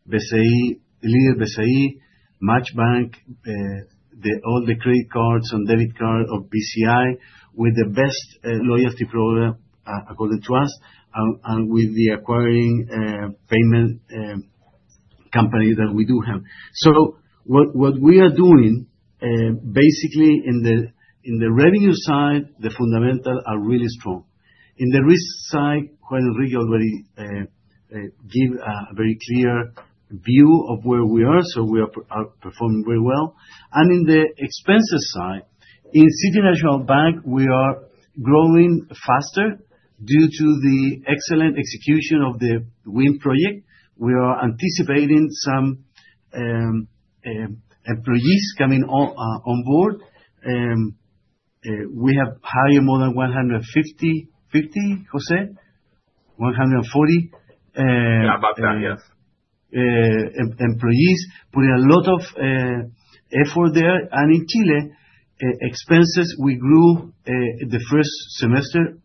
Bci, Lider Bci, MACHBANK, all the credit cards and debit card of BCI, with the best loyalty program according to us, and with the acquiring payment company that we do have. What we are doing basically in the revenue side, the fundamentals are really strong. In the risk side, Juan Enrique already gave a very clear view of where we are, so we are performing very well. In the expenses side, in City National Bank, we are growing faster due to the excellent execution of the WIN project. We are anticipating some employees coming on board. We have hired more than 150. 50, Jose? 140? Yeah, about that. Yes. Employees. Putting a lot of effort there. In Chile, expenses, we grew the first semester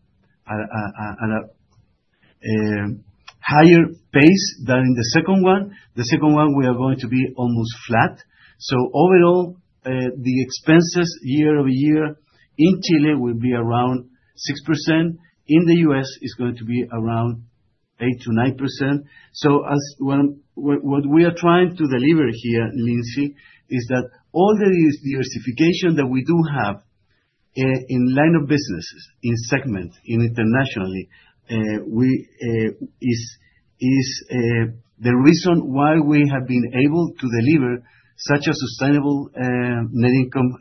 at a higher pace than in the second one. The second one, we are going to be almost flat. Overall, the expenses year-over-year in Chile will be around 6%. In the U.S., it's going to be around 8%-9%. What we are trying to deliver here, Lindsey, is that all the diversification that we do have in line of businesses, in segments, internationally is the reason why we have been able to deliver such a sustainable net income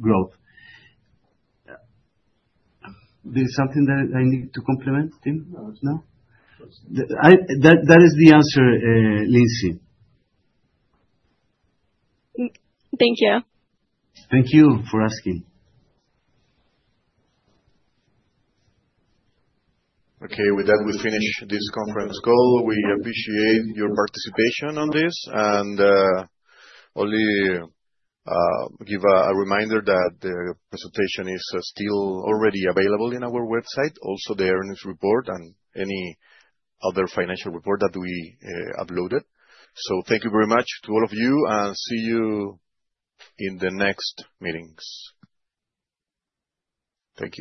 growth. There's something that I need to complement, team? No. No? That is the answer, Lindsey. Thank you. Thank you for asking. Okay. With that, we finish this conference call. We appreciate your participation on this. Only give a reminder that the presentation is still already available in our website, also the earnings report and any other financial report that we uploaded. Thank you very much to all of you, and see you in the next meetings. Thank you.